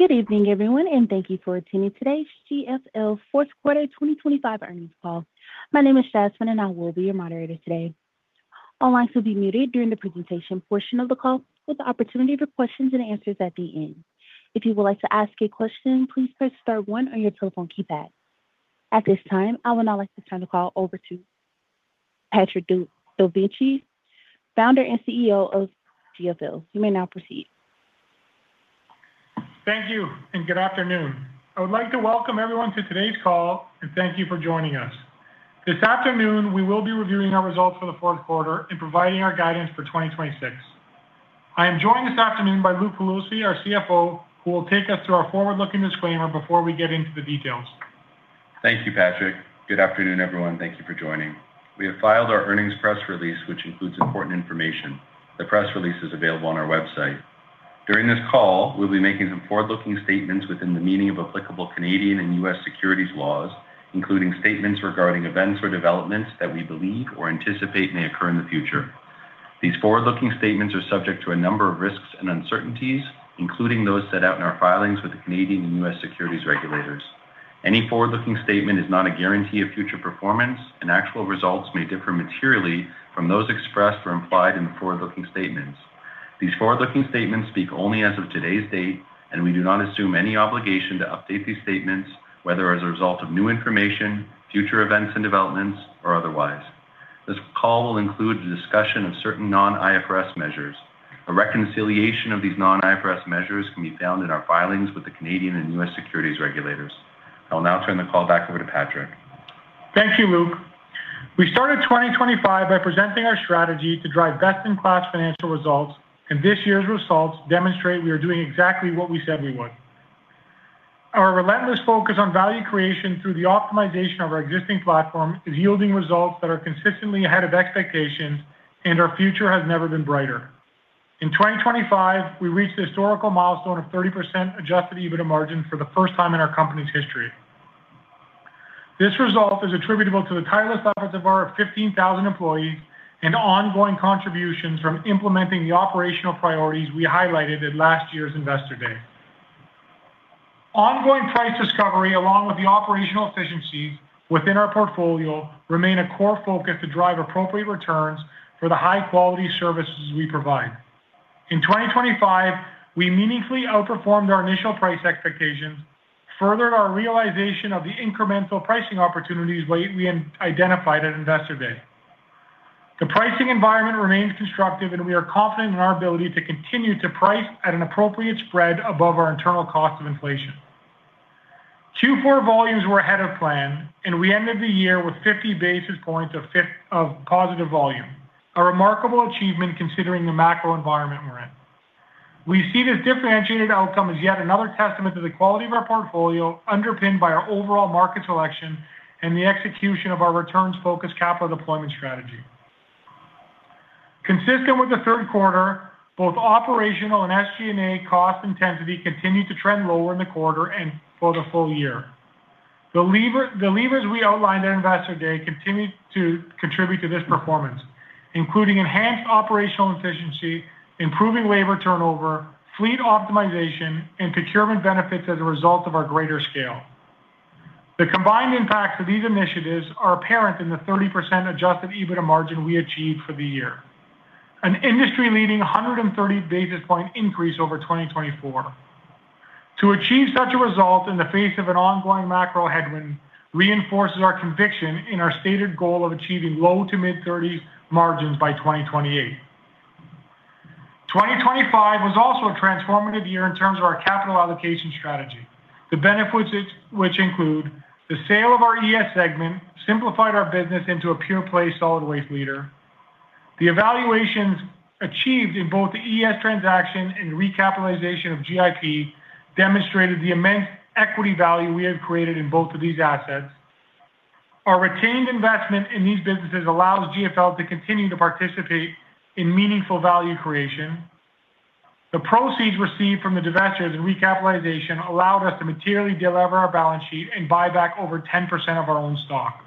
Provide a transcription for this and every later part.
Good evening, everyone, and thank you for attending today's GFL Fourth Quarter 2025 earnings call. My name is Jasmine, and I will be your moderator today. All lines will be muted during the presentation portion of the call, with the opportunity for questions and answers at the end. If you would like to ask a question, please press Star 1 on your telephone keypad. At this time, I would now like to turn the call over to Patrick Dovigi, founder and CEO of GFL. You may now proceed. Thank you, and good afternoon. I would like to welcome everyone to today's call and thank you for joining us. This afternoon, we will be reviewing our results for the fourth quarter and providing our guidance for 2026. I am joined this afternoon by Luke Pelosi, our CFO, who will take us through our forward-looking disclaimer before we get into the details. Thank you, Patrick. Good afternoon, everyone. Thank you for joining. We have filed our earnings press release, which includes important information. The press release is available on our website. During this call, we'll be making some forward-looking statements within the meaning of applicable Canadian and U.S. securities laws, including statements regarding events or developments that we believe or anticipate may occur in the future. These forward-looking statements are subject to a number of risks and uncertainties, including those set out in our filings with the Canadian and U.S. securities regulators. Any forward-looking statement is not a guarantee of future performance, and actual results may differ materially from those expressed or implied in the forward-looking statements. These forward-looking statements speak only as of today's date, and we do not assume any obligation to update these statements, whether as a result of new information, future events and developments, or otherwise. This call will include a discussion of certain non-IFRS measures. A reconciliation of these non-IFRS measures can be found in our filings with the Canadian and U.S. securities regulators. I will now turn the call back over to Patrick. Thank you, Luke. We started 2025 by presenting our strategy to drive best-in-class financial results, and this year's results demonstrate we are doing exactly what we said we would. Our relentless focus on value creation through the optimization of our existing platform is yielding results that are consistently ahead of expectations, and our future has never been brighter. In 2025, we reached the historical milestone of 30% Adjusted EBITDA margin for the first time in our company's history. This result is attributable to the tireless efforts of our 15,000 employees and ongoing contributions from implementing the operational priorities we highlighted at last year's Investor Day. Ongoing price discovery, along with the operational efficiencies within our portfolio, remain a core focus to drive appropriate returns for the high-quality services we provide. In 2025, we meaningfully outperformed our initial price expectations, furthered our realization of the incremental pricing opportunities we identified at Investor Day. The pricing environment remains constructive, and we are confident in our ability to continue to price at an appropriate spread above our internal cost of inflation. Q4 volumes were ahead of plan, and we ended the year with 50 basis points of positive volume, a remarkable achievement considering the macro environment we're in. We see this differentiated outcome as yet another testament to the quality of our portfolio, underpinned by our overall market selection and the execution of our returns-focused capital deployment strategy. Consistent with the third quarter, both operational and SG&A cost intensity continued to trend lower in the quarter and for the full year. The levers we outlined at Investor Day continue to contribute to this performance, including enhanced operational efficiency, improving labor turnover, fleet optimization, and procurement benefits as a result of our greater scale. The combined impacts of these initiatives are apparent in the 30% Adjusted EBITDA margin we achieved for the year, an industry-leading 130 basis point increase over 2024. To achieve such a result in the face of an ongoing macro headwind reinforces our conviction in our stated goal of achieving low- to mid-30s margins by 2028. 2025 was also a transformative year in terms of our capital allocation strategy, the benefits which include the sale of our ES segment, simplified our business into a pure-play solid waste leader. The valuations achieved in both the ES transaction and recapitalization of GIP demonstrated the immense equity value we have created in both of these assets. Our retained investment in these businesses allows GFL to continue to participate in meaningful value creation. The proceeds received from the divestitures and recapitalization allowed us to materially delever our balance sheet and buy back over 10% of our own stock.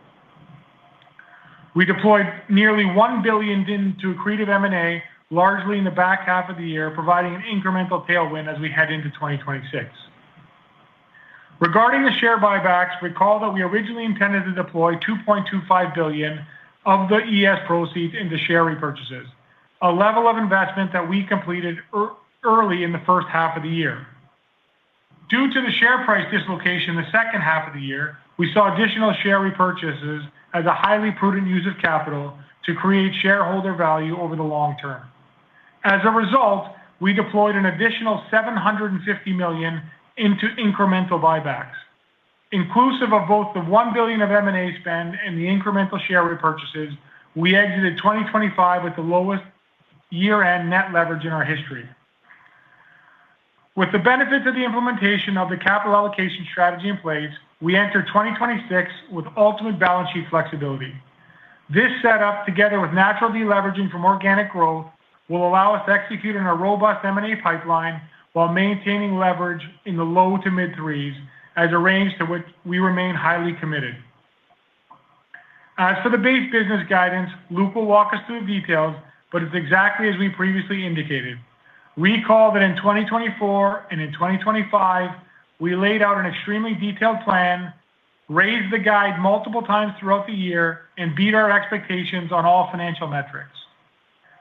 We deployed nearly $1 billion to a creative M&A, largely in the back half of the year, providing an incremental tailwind as we head into 2026. Regarding the share buybacks, recall that we originally intended to deploy $2.25 billion of the ES proceeds into share repurchases, a level of investment that we completed early in the first half of the year. Due to the share price dislocation the second half of the year, we saw additional share repurchases as a highly prudent use of capital to create shareholder value over the long term. As a result, we deployed an additional $750 million into incremental buybacks. Inclusive of both the $1 billion of M&A spend and the incremental share repurchases, we exited 2025 with the lowest year-end net leverage in our history. With the benefits of the implementation of the capital allocation strategy in place, we enter 2026 with ultimate balance sheet flexibility. This setup, together with natural deleveraging from organic growth, will allow us to execute on a robust M&A pipeline while maintaining leverage in the low to mid-3s as a range to which we remain highly committed. As for the base business guidance, Luke will walk us through the details, but it's exactly as we previously indicated. Recall that in 2024 and in 2025, we laid out an extremely detailed plan, raised the guide multiple times throughout the year, and beat our expectations on all financial metrics.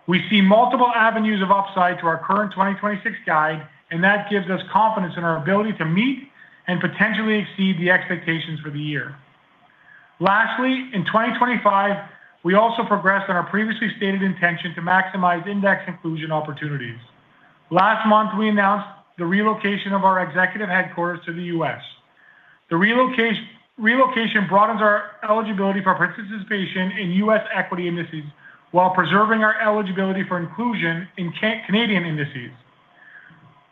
We see multiple avenues of upside to our current 2026 guide, and that gives us confidence in our ability to meet and potentially exceed the expectations for the year. Lastly, in 2025, we also progressed on our previously stated intention to maximize index inclusion opportunities. Last month, we announced the relocation of our executive headquarters to the U.S. The relocation broadens our eligibility for participation in U.S. equity indices while preserving our eligibility for inclusion in Canadian indices.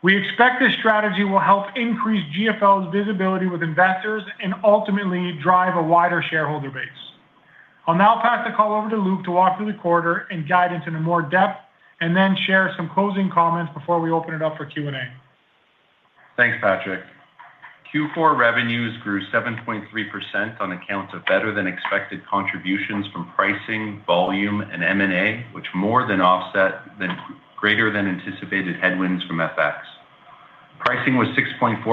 We expect this strategy will help increase GFL's visibility with investors and ultimately drive a wider shareholder base. I'll now pass the call over to Luke to walk through the quarter and guide into more depth and then share some closing comments before we open it up for Q&A. Thanks, Patrick. Q4 revenues grew 7.3% on account of better-than-expected contributions from pricing, volume, and M&A, which greater than anticipated headwinds from FX. Pricing was 6.4%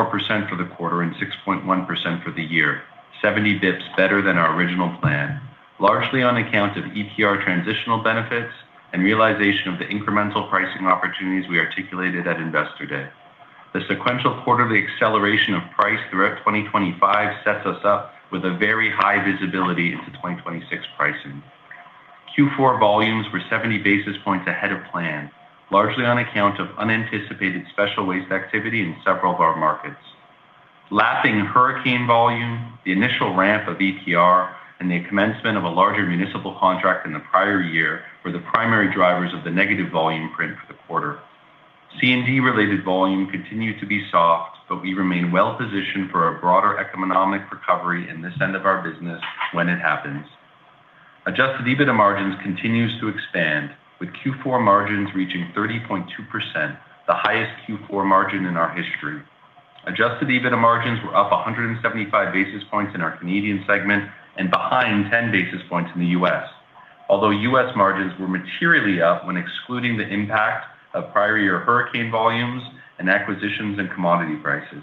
for the quarter and 6.1% for the year, 70 basis points better than our original plan, largely on account of EPR transitional benefits and realization of the incremental pricing opportunities we articulated at Investor Day. The sequential quarterly acceleration of price throughout 2025 sets us up with a very high visibility into 2026 pricing. Q4 volumes were 70 basis points ahead of plan, largely on account of unanticipated special waste activity in several of our markets. Lagging hurricane volume, the initial ramp of EPR, and the commencement of a larger municipal contract in the prior year were the primary drivers of the negative volume print for the quarter. C&D-related volume continued to be soft, but we remain well-positioned for a broader economic recovery in this end of our business when it happens. Adjusted EBITDA margins continues to expand, with Q4 margins reaching 30.2%, the highest Q4 margin in our history. Adjusted EBITDA margins were up 175 basis points in our Canadian segment and behind 10 basis points in the U.S., although U.S. margins were materially up when excluding the impact of prior year hurricane volumes and acquisitions in commodity prices.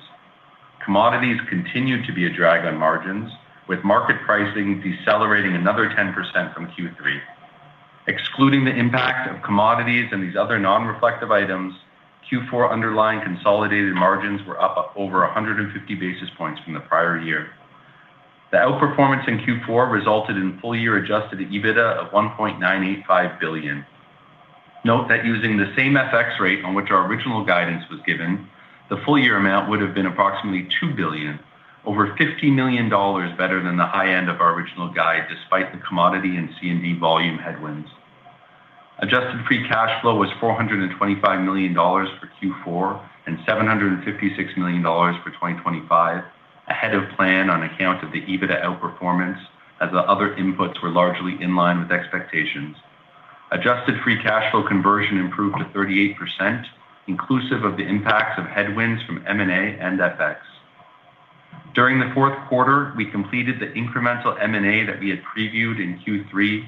Commodities continued to be a drag on margins, with market pricing decelerating another 10% from Q3. Excluding the impact of commodities and these other non-reflective items, Q4 underlying consolidated margins were up over 150 basis points from the prior year. The outperformance in Q4 resulted in full-year adjusted EBITDA of $1.985 billion. Note that using the same FX rate on which our original guidance was given, the full-year amount would have been approximately $2 billion, over $50 million better than the high end of our original guide despite the commodity and C&D volume headwinds. Adjusted Free Cash Flow was $425 million for Q4 and $756 million for 2025, ahead of plan on account of the EBITDA outperformance as the other inputs were largely in line with expectations. Adjusted Free Cash Flow conversion improved to 38%, inclusive of the impacts of headwinds from M&A and FX. During the fourth quarter, we completed the incremental M&A that we had previewed in Q3,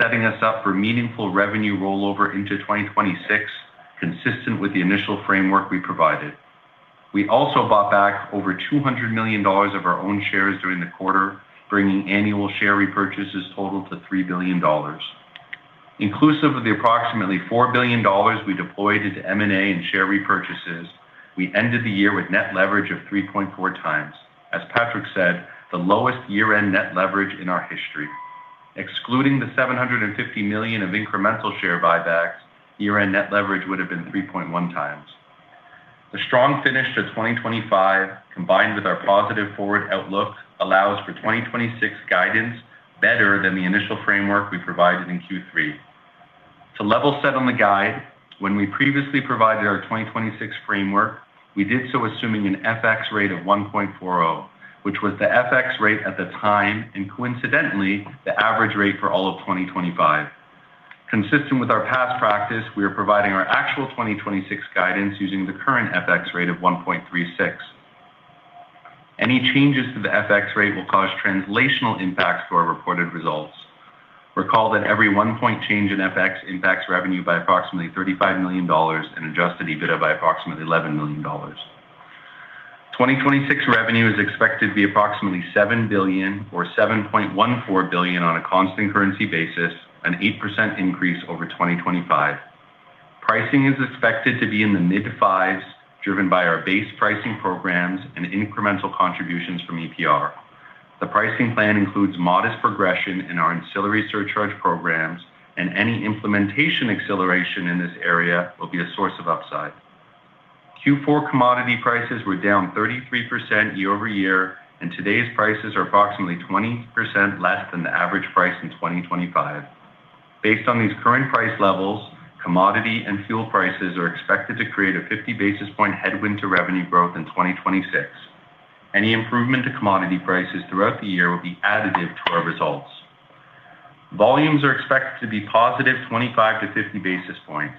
setting us up for meaningful revenue rollover into 2026 consistent with the initial framework we provided. We also bought back over $200 million of our own shares during the quarter, bringing annual share repurchases totaled to $3 billion. Inclusive of the approximately $4 billion we deployed into M&A and share repurchases, we ended the year with net leverage of 3.4x, as Patrick said, the lowest year-end net leverage in our history. Excluding the $750 million of incremental share buybacks, year-end net leverage would have been 3.1x. The strong finish to 2025, combined with our positive forward outlook, allows for 2026 guidance better than the initial framework we provided in Q3. To level set on the guide, when we previously provided our 2026 framework, we did so assuming an FX rate of 1.40, which was the FX rate at the time and, coincidentally, the average rate for all of 2025. Consistent with our past practice, we are providing our actual 2026 guidance using the current FX rate of 1.36. Any changes to the FX rate will cause translational impacts to our reported results. Recall that every one-point change in FX impacts revenue by approximately $35 million and Adjusted EBITDA by approximately $11 million. 2026 revenue is expected to be approximately $7 billion or $7.14 billion on a constant currency basis, an 8% increase over 2025. Pricing is expected to be in the mid-5s, driven by our base pricing programs and incremental contributions from EPR. The pricing plan includes modest progression in our ancillary surcharge programs, and any implementation acceleration in this area will be a source of upside. Q4 commodity prices were down 33% year over year, and today's prices are approximately 20% less than the average price in 2025. Based on these current price levels, commodity and fuel prices are expected to create a 50 basis point headwind to revenue growth in 2026. Any improvement to commodity prices throughout the year will be additive to our results. Volumes are expected to be positive 25-50 basis points.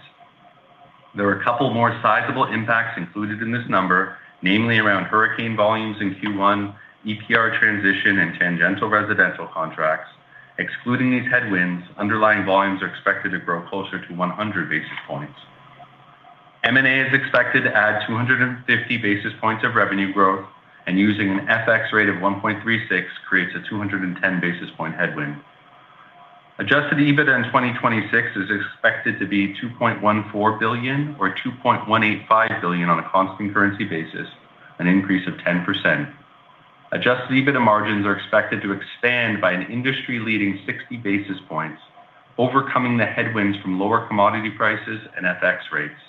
There are a couple more sizable impacts included in this number, namely around hurricane volumes in Q1, EPR transition, and tangential residential contracts. Excluding these headwinds, underlying volumes are expected to grow closer to 100 basis points. M&A is expected to add 250 basis points of revenue growth, and using an FX rate of 1.36 creates a 210 basis point headwind. Adjusted EBITDA in 2026 is expected to be $2.14 billion or $2.185 billion on a constant currency basis, an increase of 10%. Adjusted EBITDA margins are expected to expand by an industry-leading 60 basis points, overcoming the headwinds from lower commodity prices and FX rates.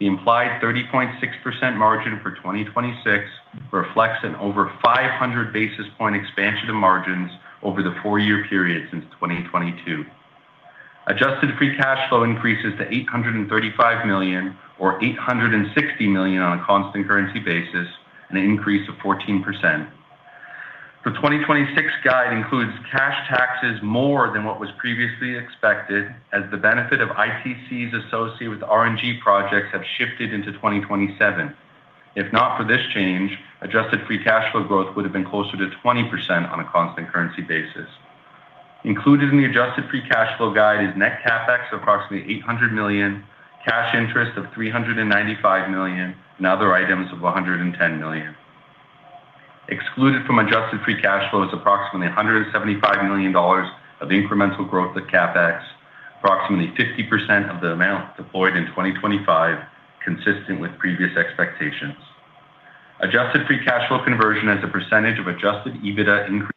The implied 30.6% margin for 2026 reflects an over 500 basis point expansion of margins over the four-year period since 2022. Adjusted Free Cash Flow increases to $835 million or $860 million on a constant currency basis, an increase of 14%. The 2026 guide includes cash taxes more than what was previously expected as the benefit of ITCs associated with RNG projects have shifted into 2027. If not for this change, Adjusted Free Cash Flow growth would have been closer to 20% on a constant currency basis. Included in the Adjusted Free Cash Flow guide is net CapEx of approximately $800 million, cash interest of $395 million, and other items of $110 million. Excluded from Adjusted Free Cash Flow is approximately $175 million of incremental growth CapEx, approximately 50% of the amount deployed in 2025 consistent with previous expectations. Adjusted Free Cash Flow conversion as a percentage of Adjusted EBITDA increase.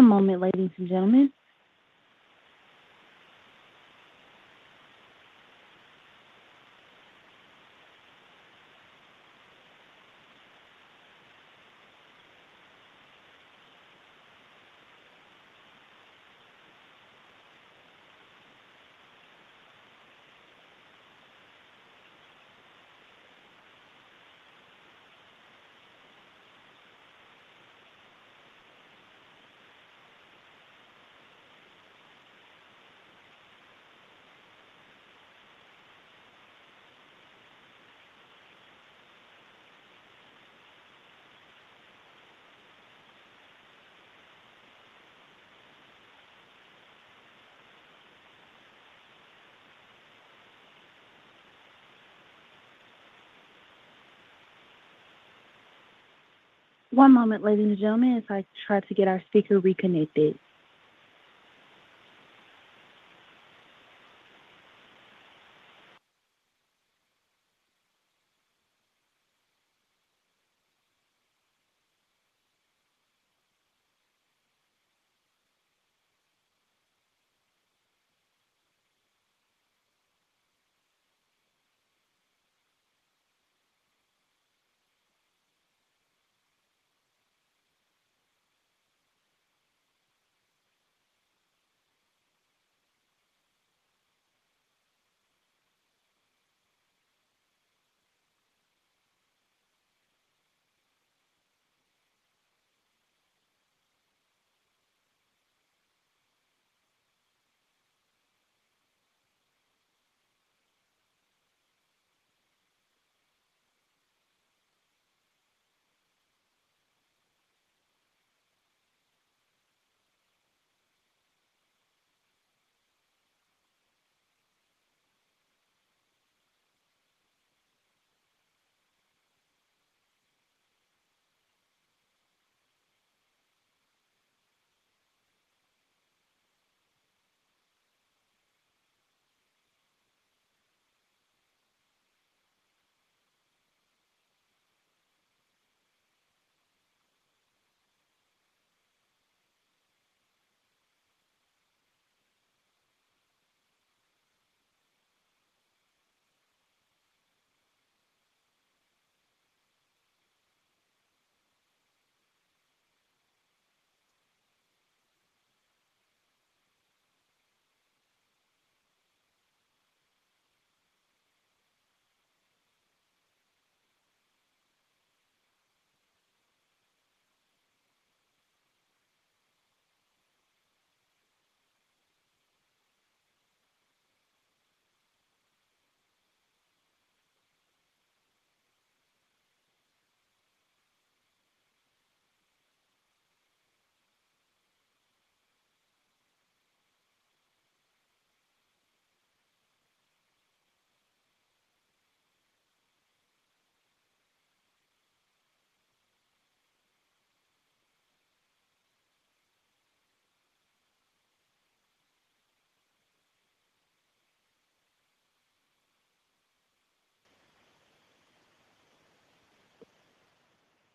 One moment, ladies and gentlemen. One moment, ladies and gentlemen, if I try to get our speaker reconnected.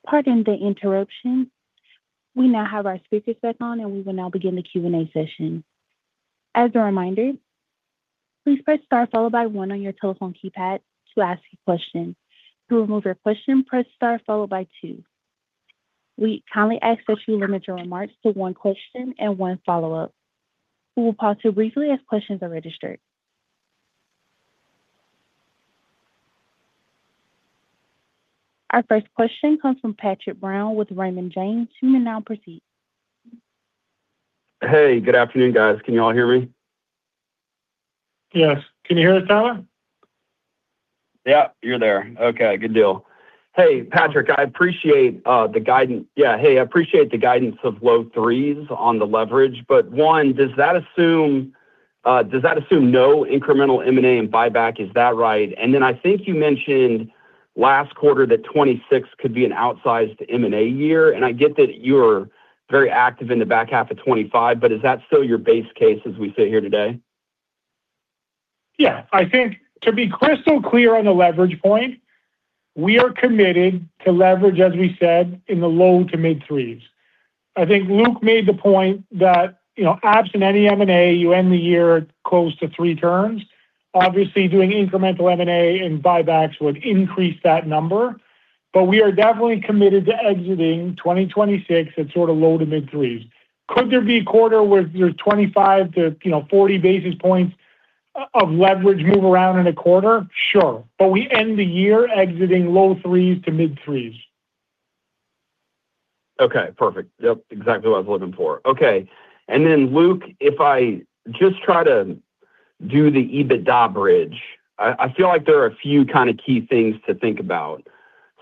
Pardon the interruption. We now have our speakers back on, and we will now begin the Q&A session. As a reminder, please press star followed by one on your telephone keypad to ask a question. To remove your question, press star followed by two. We kindly ask that you limit your remarks to one question and one follow-up. We will pause to briefly as questions are registered. Our first question comes from Patrick Brown with Raymond James. You may now proceed. Hey, good afternoon, guys. Can you all hear me? Yes. Can you hear us, Tyler? Yeah, you're there. Okay, good deal. Hey, Patrick, I appreciate the guidance. Yeah, hey, I appreciate the guidance of low threes on the leverage. But one, does that assume no incremental M&A and buyback? Is that right? And then I think you mentioned last quarter that 2026 could be an outsized M&A year. And I get that you're very active in the back half of 2025, but is that still your base case as we sit here today? Yeah. I think to be crystal clear on the leverage point, we are committed to leverage, as we said, in the low to mid threes. I think Luke made the point that absent any M&A, you end the year close to 3 turns. Obviously, doing incremental M&A and buybacks would increase that number. But we are definitely committed to exiting 2026 at sort of low to mid threes. Could there be a quarter where there's 25-40 basis points of leverage move around in a quarter? Sure. But we end the year exiting low threes to mid threes. Okay, perfect. Yep, exactly what I was looking for. Okay. And then, Luke, if I just try to do the EBITDA bridge, I feel like there are a few kind of key things to think about.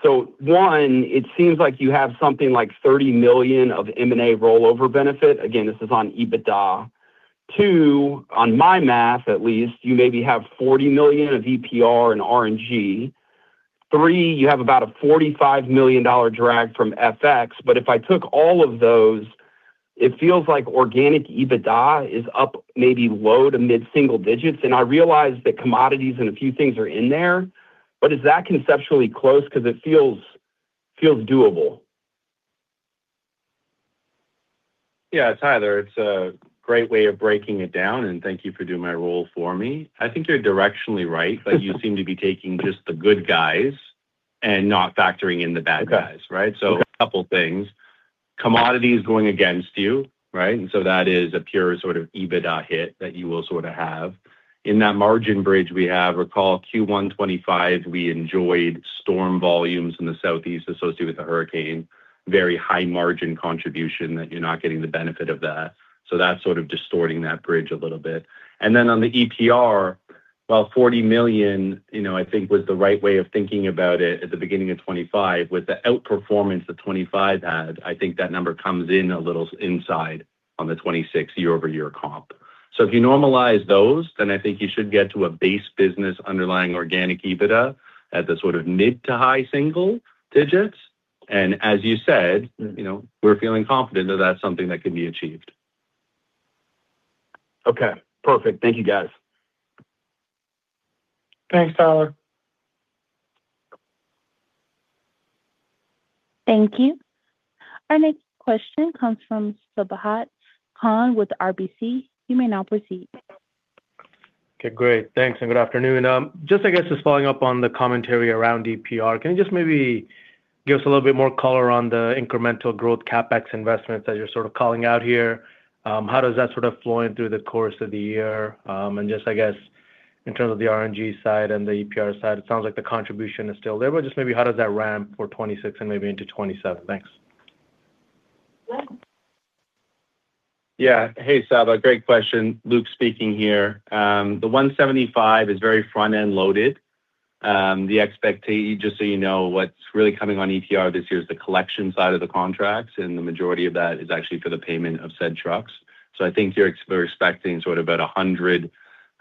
So one, it seems like you have something like $30 million of M&A rollover benefit. Again, this is on EBITDA. Two, on my math, at least, you maybe have $40 million of EPR and R&G. Three, you have about a $45 million drag from FX. But if I took all of those, it feels like organic EBITDA is up maybe low to mid single digits. And I realize that commodities and a few things are in there, but is that conceptually close? Because it feels doable. Yeah, Tyler, it's a great way of breaking it down. And thank you for doing my role for me. I think you're directionally right. You seem to be taking just the good guys and not factoring in the bad guys, right? So. A couple of things. Commodity is going against you, right? And so that is a pure sort of EBITDA hit that you will sort of have. In that margin bridge we have, recall Q1 2025, we enjoyed storm volumes in the Southeast associated with the hurricane, very high margin contribution that you're not getting the benefit of that. So that's sort of distorting that bridge a little bit. And then on the EPR, well, $40 million, I think, was the right way of thinking about it at the beginning of 2025. With the outperformance that 2025 had, I think that number comes in a little inside on the 2026 year-over-year comp. So if you normalize those, then I think you should get to a base business underlying organic EBITDA at the sort of mid- to high single digits. And as you said, we're feeling confident that that's something that can be achieved. Okay, perfect. Thank you, guys. Thanks, Tyler. Thank you. Our next question comes from Sabahat Khan with RBC. You may now proceed. Okay, great. Thanks and good afternoon. Just, I guess, just following up on the commentary around EPR, can you just maybe give us a little bit more color on the incremental growth CapEx investments that you're sort of calling out here? How does that sort of flow in through the course of the year? And just, I guess, in terms of the R&G side and the EPR side, it sounds like the contribution is still there, but just maybe how does that ramp for 2026 and maybe into 2027? Thanks. Yeah. Hey, Sabah. Great question. Luke speaking here. The $175 is very front-end loaded. The expectation, just so you know, what's really coming on EPR this year is the collection side of the contracts, and the majority of that is actually for the payment of said trucks. So I think we're expecting sort of about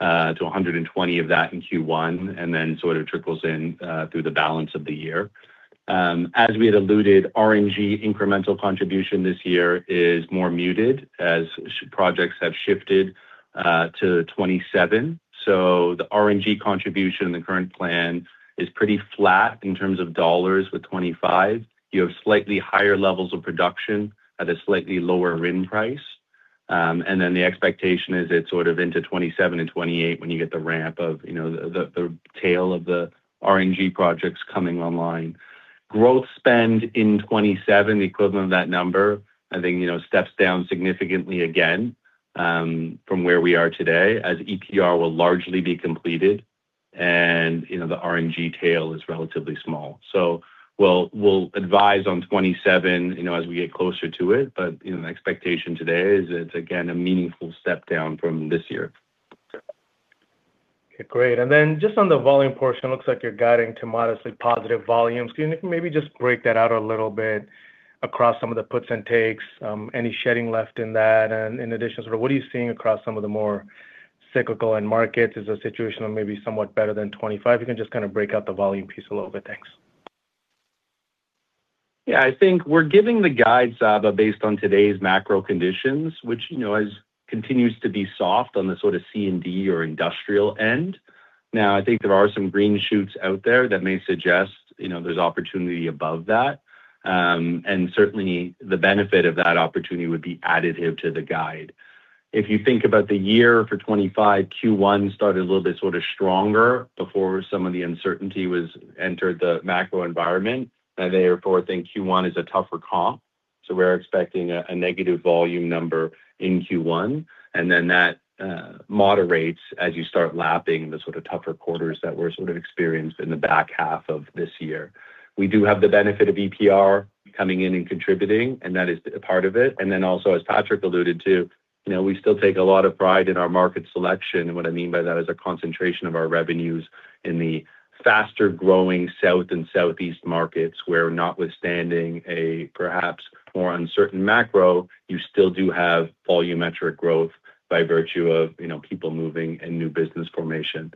$100-$120 of that in Q1 and then sort of trickles in through the balance of the year. As we had alluded, R&G incremental contribution this year is more muted as projects have shifted to 2027. So the R&G contribution in the current plan is pretty flat in terms of dollars with 2025. You have slightly higher levels of production at a slightly lower RIN price. And then the expectation is it's sort of into 2027 and 2028 when you get the ramp of the tail of the R&G projects coming online. Growth spend in 2027, the equivalent of that number, I think, steps down significantly again from where we are today as EPR will largely be completed and the R&G tail is relatively small. So we'll advise on 2027 as we get closer to it. But the expectation today is it's, again, a meaningful step down from this year. Okay, great. And then just on the volume portion, it looks like you're guiding to modestly positive volumes. Can you maybe just break that out a little bit across some of the puts and takes, any shedding left in that? And in addition, sort of what are you seeing across some of the more cyclical markets? Is the situation maybe somewhat better than 2025? If you can just kind of break out the volume piece a little bit. Thanks. Yeah, I think we're giving the guides, Sabah, based on today's macro conditions, which continues to be soft on the sort of C&D or industrial end. Now, I think there are some green shoots out there that may suggest there's opportunity above that. And certainly, the benefit of that opportunity would be additive to the guide. If you think about the year for 2025, Q1 started a little bit sort of stronger before some of the uncertainty entered the macro environment. And therefore, I think Q1 is a tougher comp. So we're expecting a negative volume number in Q1. And then that moderates as you start lapping the sort of tougher quarters that we're sort of experiencing in the back half of this year. We do have the benefit of EPR coming in and contributing, and that is part of it. Then also, as Patrick alluded to, we still take a lot of pride in our market selection. What I mean by that is a concentration of our revenues in the faster-growing south and southeast markets where notwithstanding a perhaps more uncertain macro, you still do have volumetric growth by virtue of people moving and new business formation.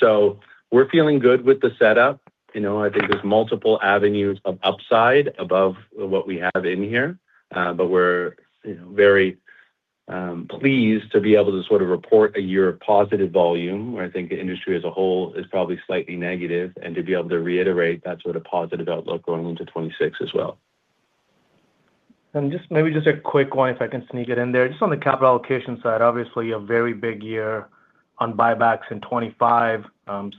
So we're feeling good with the setup. I think there's multiple avenues of upside above what we have in here. But we're very pleased to be able to sort of report a year of positive volume where I think the industry as a whole is probably slightly negative. To be able to reiterate that sort of positive outlook going into 2026 as well. Maybe just a quick one, if I can sneak it in there. Just on the capital allocation side, obviously, a very big year on buybacks in 2025.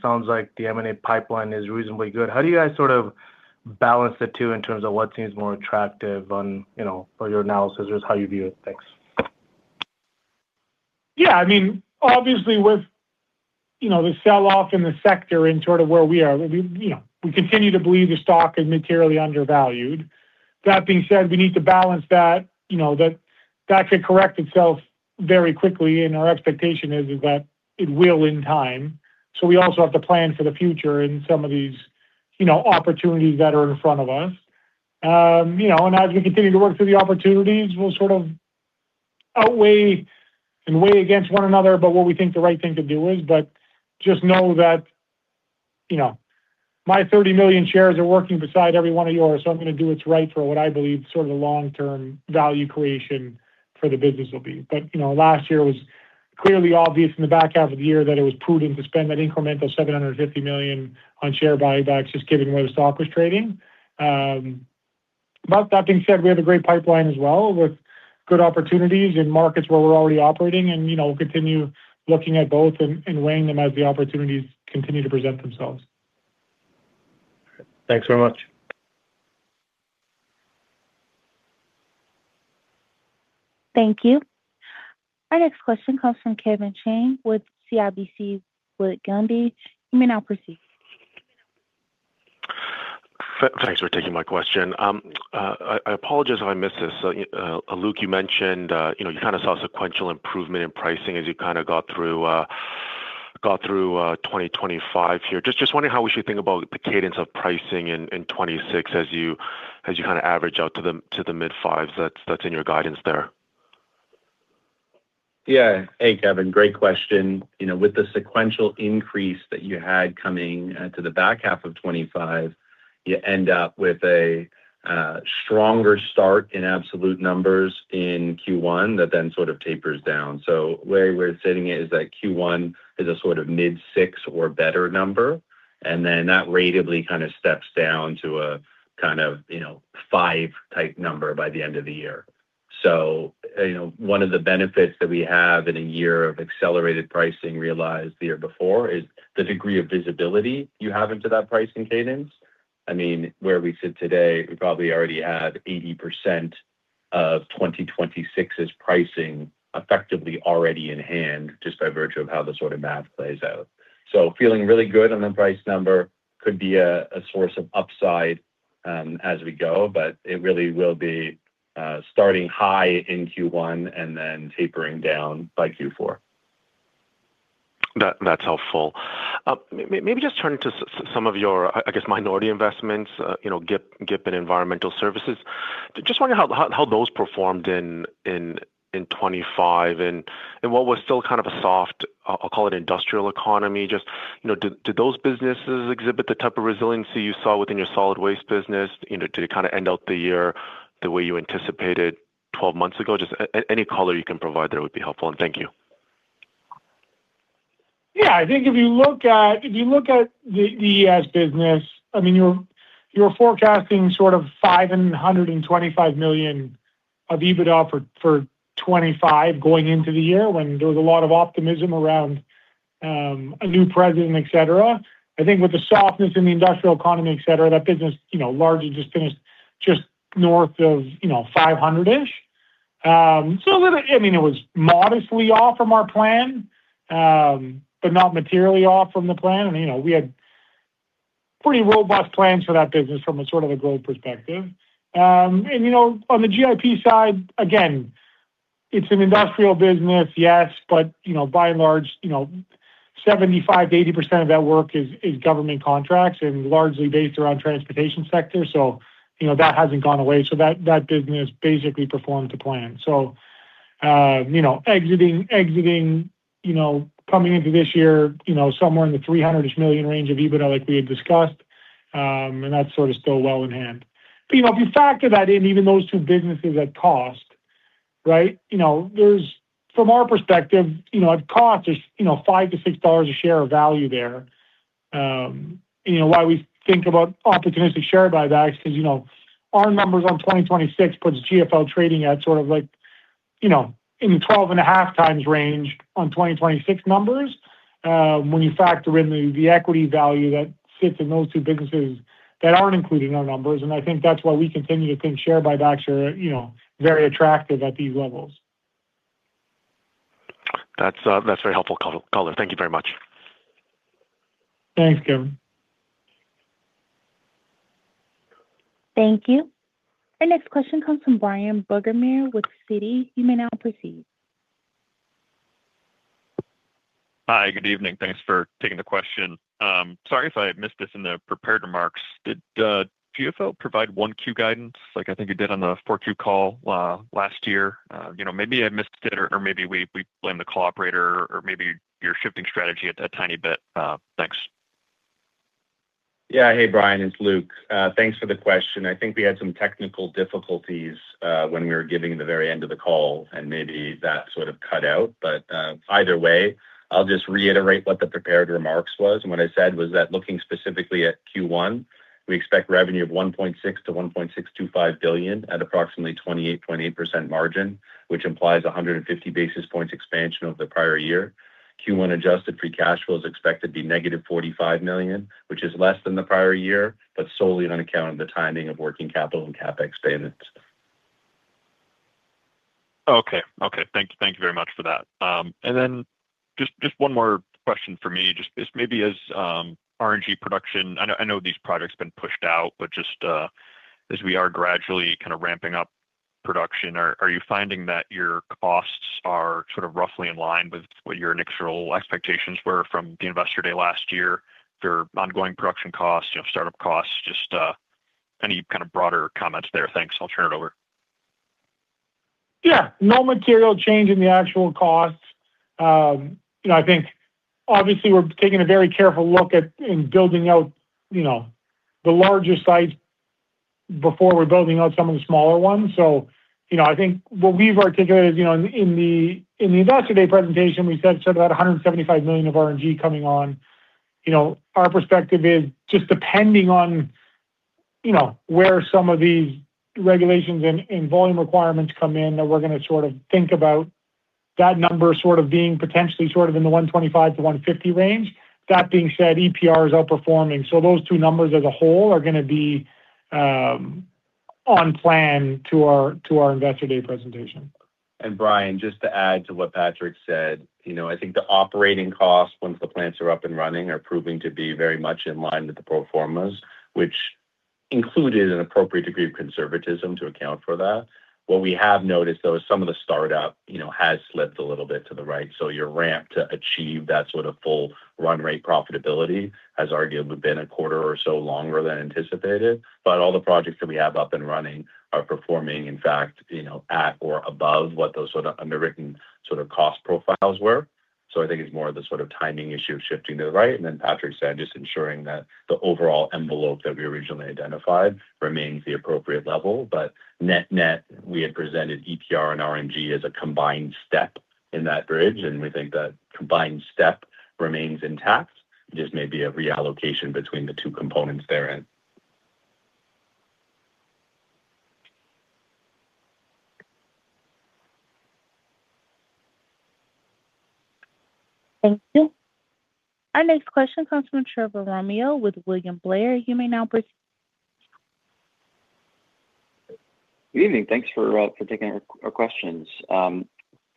Sounds like the M&A pipeline is reasonably good. How do you guys sort of balance the two in terms of what seems more attractive for your analysis or just how you view it? Thanks. Yeah. I mean, obviously, with the selloff in the sector and sort of where we are, we continue to believe the stock is materially undervalued. That being said, we need to balance that. That could correct itself very quickly. Our expectation is that it will in time. So we also have to plan for the future and some of these opportunities that are in front of us. And as we continue to work through the opportunities, we'll sort of outweigh and weigh against one another about what we think the right thing to do is. But just know that my 30 million shares are working beside every one of yours. So I'm going to do what's right for what I believe sort of the long-term value creation for the business will be. But last year was clearly obvious in the back half of the year that it was prudent to spend that incremental 750 million on share buybacks just given where the stock was trading. But that being said, we have a great pipeline as well with good opportunities in markets where we're already operating. We'll continue looking at both and weighing them as the opportunities continue to present themselves. Thanks very much. Thank you. Our next question comes from Kevin Chiang with CIBC Capital Markets. You may now proceed. Thanks for taking my question. I apologize if I missed this. Luke, you mentioned you kind of saw sequential improvement in pricing as you kind of got through 2025 here. Just wondering how we should think about the cadence of pricing in 2026 as you kind of average out to the mid-fives that's in your guidance there. Yeah. Hey, Kevin. Great question. With the sequential increase that you had coming to the back half of 2025, you end up with a stronger start in absolute numbers in Q1 that then sort of tapers down. So the way we're sitting it is that Q1 is a sort of mid-6 or better number. And then that ratably kind of steps down to a kind of 5-type number by the end of the year. So one of the benefits that we have in a year of accelerated pricing, realized the year before, is the degree of visibility you have into that pricing cadence. I mean, where we sit today, we probably already had 80% of 2026's pricing effectively already in hand just by virtue of how the sort of math plays out. So feeling really good on the price number could be a source of upside as we go. But it really will be starting high in Q1 and then tapering down by Q4. That's helpful. Maybe just turning to some of your, I guess, minority investments, GIP and environmental services. Just wondering how those performed in 2025 and what was still kind of a soft, I'll call it, industrial economy. Just did those businesses exhibit the type of resiliency you saw within your solid waste business? Did it kind of end out the year the way you anticipated 12 months ago? Just any color you can provide there would be helpful. Thank you. Yeah. I think if you look at the EES business, I mean, you were forecasting sort of $525 million of EBITDA for 2025 going into the year when there was a lot of optimism around a new president, etc. I think with the softness in the industrial economy, etc., that business largely just finished just north of $500 million-ish. So I mean, it was modestly off from our plan, but not materially off from the plan. And we had pretty robust plans for that business from sort of a growth perspective. And on the GIP side, again, it's an industrial business, yes. But by and large, 75%-80% of that work is government contracts and largely based around transportation sector. So that business basically performed to plan. So exiting, coming into this year somewhere in the $300-ish million range of EBITDA like we had discussed. That's sort of still well in hand. But if you factor that in, even those two businesses at cost, right, from our perspective, at cost, there's $5-$6 a share of value there. Why we think about opportunistic share buybacks is because our numbers on 2026 puts GFL trading at sort of in the 12.5x range on 2026 numbers when you factor in the equity value that sits in those two businesses that aren't included in our numbers. And I think that's why we continue to think share buybacks are very attractive at these levels. That's very helpful color. Thank you very much. Thanks, Kevin. Thank you. Our next question comes from Bryan Burgmeier with Citi. You may now proceed. Hi. Good evening. Thanks for taking the question. Sorry if I missed this in the prepared remarks. Did GFL provide 1Q guidance like I think it did on the 4Q call last year? Maybe I missed it, or maybe we blame the call operator, or maybe you're shifting strategy a tiny bit. Thanks. Yeah. Hey, Bryan. It's Luke. Thanks for the question. I think we had some technical difficulties when we were giving the very end of the call, and maybe that sort of cut out. But either way, I'll just reiterate what the prepared remarks was. What I said was that looking specifically at Q1, we expect revenue of 1.6 billion-1.625 billion at approximately 28.8% margin, which implies 150 basis points expansion over the prior year. Q1 Adjusted Free Cash Flow is expected to be negative 45 million, which is less than the prior year, but solely on account of the timing of working capital and CapEx payments. Okay. Okay. Thank you very much for that. Then just one more question for me, just maybe as R&G production I know these projects have been pushed out, but just as we are gradually kind of ramping up production, are you finding that your costs are sort of roughly in line with what your initial expectations were from the investor day last year for ongoing production costs, startup costs, just any kind of broader comments there? Thanks. I'll turn it over. Yeah. No material change in the actual costs. I think, obviously, we're taking a very careful look at building out the larger sites before we're building out some of the smaller ones. So I think what we've articulated is in the investor day presentation, we said sort of about $175 million of R&G coming on. Our perspective is just depending on where some of these regulations and volume requirements come in that we're going to sort of think about that number sort of being potentially sort of in the $125 million-$150 million range. That being said, EPR is outperforming. So those two numbers as a whole are going to be on plan to our investor day presentation. Brian, just to add to what Patrick said, I think the operating costs, once the plants are up and running, are proving to be very much in line with the pro formas, which included an appropriate degree of conservatism to account for that. What we have noticed, though, is some of the startup has slipped a little bit to the right. So your ramp to achieve that sort of full run-rate profitability, as argued, would have been a quarter or so longer than anticipated. But all the projects that we have up and running are performing, in fact, at or above what those sort of underwritten sort of cost profiles were. So I think it's more of the sort of timing issue of shifting to the right. And then Patrick said, just ensuring that the overall envelope that we originally identified remains the appropriate level. But net, net, we had presented EPR and R&G as a combined step in that bridge. And we think that combined step remains intact. It just may be a reallocation between the two components therein. Thank you. Our next question comes from Trevor Romeo with William Blair. You may now proceed. Good evening. Thanks for taking our questions.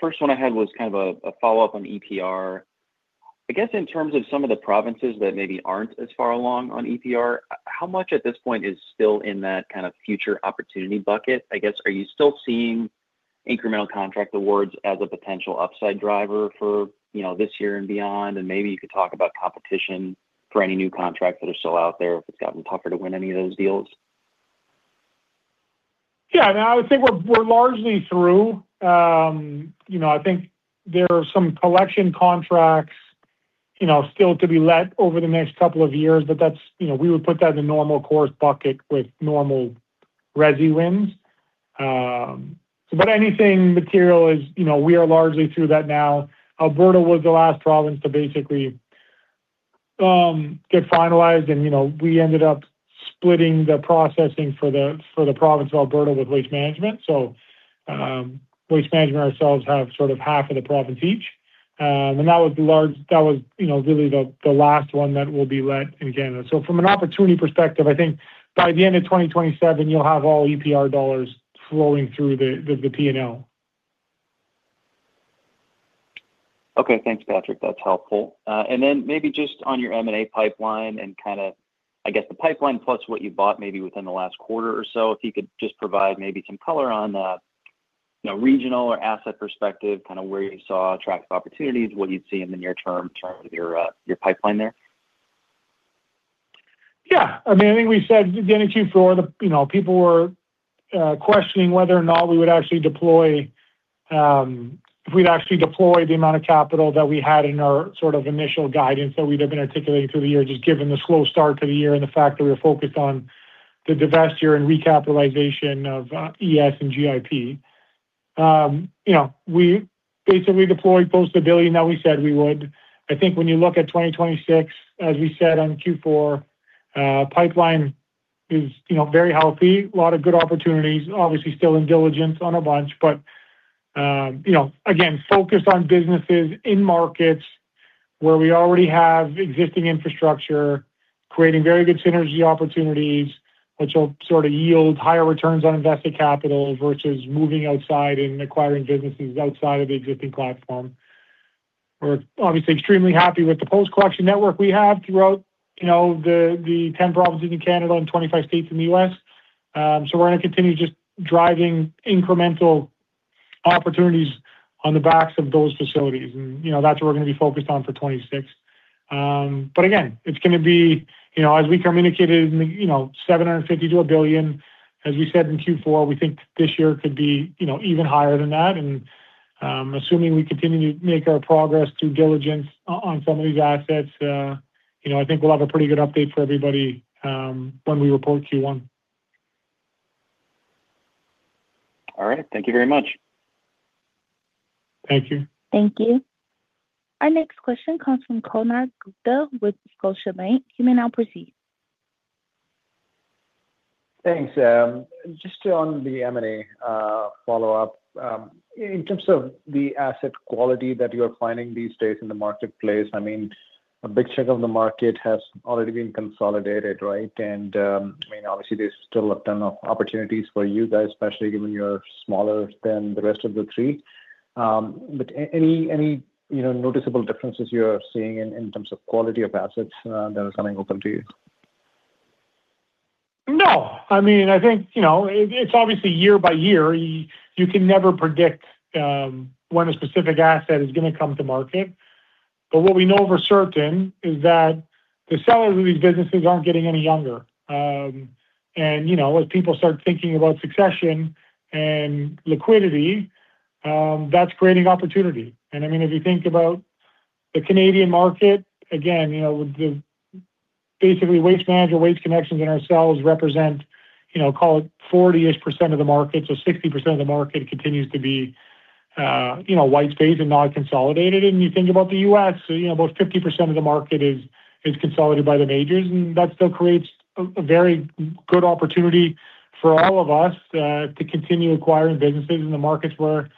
First one I had was kind of a follow-up on EPR. I guess in terms of some of the provinces that maybe aren't as far along on EPR, how much at this point is still in that kind of future opportunity bucket? I guess, are you still seeing incremental contract awards as a potential upside driver for this year and beyond? And maybe you could talk about competition for any new contracts that are still out there if it's gotten tougher to win any of those deals. Yeah. I mean, I would say we're largely through. I think there are some collection contracts still to be let over the next couple of years. But we would put that in the normal course bucket with normal resi wins. But anything material, we are largely through that now. Alberta was the last province to basically get finalized. And we ended up splitting the processing for the province of Alberta with Waste Management. So Waste Management ourselves have sort of half of the province each. And that was the large that was really the last one that will be let in Canada. So from an opportunity perspective, I think by the end of 2027, you'll have all EPR dollars flowing through the P&L. Okay. Thanks, Patrick. That's helpful. And then maybe just on your M&A pipeline and kind of, I guess, the pipeline plus what you bought maybe within the last quarter or so, if you could just provide maybe some color on the regional or asset perspective, kind of where you saw attractive opportunities, what you'd see in the near term in terms of your pipeline there? Yeah. I mean, I think we said the NHU floor, people were questioning whether or not we would actually deploy if we'd actually deploy the amount of capital that we had in our sort of initial guidance that we'd have been articulating through the year, just given the slow start to the year and the fact that we were focused on the divestiture and recapitalization of ES and GIP. We basically deployed close to $1 billion that we said we would. I think when you look at 2026, as we said on Q4, pipeline is very healthy, a lot of good opportunities, obviously still due diligence on a bunch. But again, focus on businesses in markets where we already have existing infrastructure, creating very good synergy opportunities, which will sort of yield higher returns on invested capital versus moving outside and acquiring businesses outside of the existing platform. We're obviously extremely happy with the post-collection network we have throughout the 10 provinces in Canada and 25 states in the US. So we're going to continue just driving incremental opportunities on the backs of those facilities. And that's what we're going to be focused on for 2026. But again, it's going to be as we communicated, $750 million-$1 billion. As we said in Q4, we think this year could be even higher than that. And assuming we continue to make our progress through diligence on some of these assets, I think we'll have a pretty good update for everybody when we report Q1. All right. Thank you very much. Thank you. Thank you. Our next question comes from Konark Gupta with Scotiabank. You may now proceed. Thanks, Sam. Just on the M&A follow-up, in terms of the asset quality that you're finding these days in the marketplace, I mean, a big chunk of the market has already been consolidated, right? And I mean, obviously, there's still a ton of opportunities for you guys, especially given you're smaller than the rest of the three. But any noticeable differences you are seeing in terms of quality of assets that are coming open to you? No. I mean, I think it's obviously year by year. You can never predict when a specific asset is going to come to market. But what we know for certain is that the sellers of these businesses aren't getting any younger. And as people start thinking about succession and liquidity, that's creating opportunity. And I mean, if you think about the Canadian market, again, basically, Waste Management, Waste Connections and ourselves represent, call it, 40%-ish of the market. So 60% of the market continues to be white space and not consolidated. And you think about the U.S., about 50% of the market is consolidated by the majors. And that still creates a very good opportunity for all of us to continue acquiring businesses in the markets where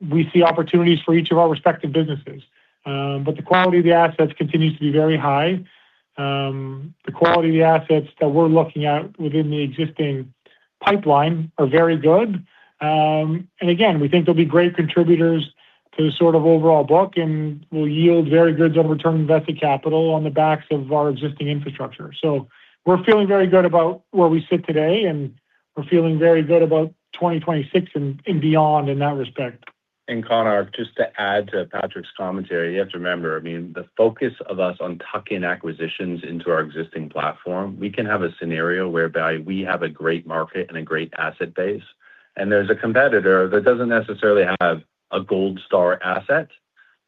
we see opportunities for each of our respective businesses. But the quality of the assets continues to be very high. The quality of the assets that we're looking at within the existing pipeline are very good. And again, we think they'll be great contributors to the sort of overall book and will yield very good return on invested capital on the backs of our existing infrastructure. So we're feeling very good about where we sit today, and we're feeling very good about 2026 and beyond in that respect. And Konark, just to add to Patrick's commentary, you have to remember, I mean, the focus of us on tucking acquisitions into our existing platform. We can have a scenario whereby we have a great market and a great asset base, and there's a competitor that doesn't necessarily have a gold star asset.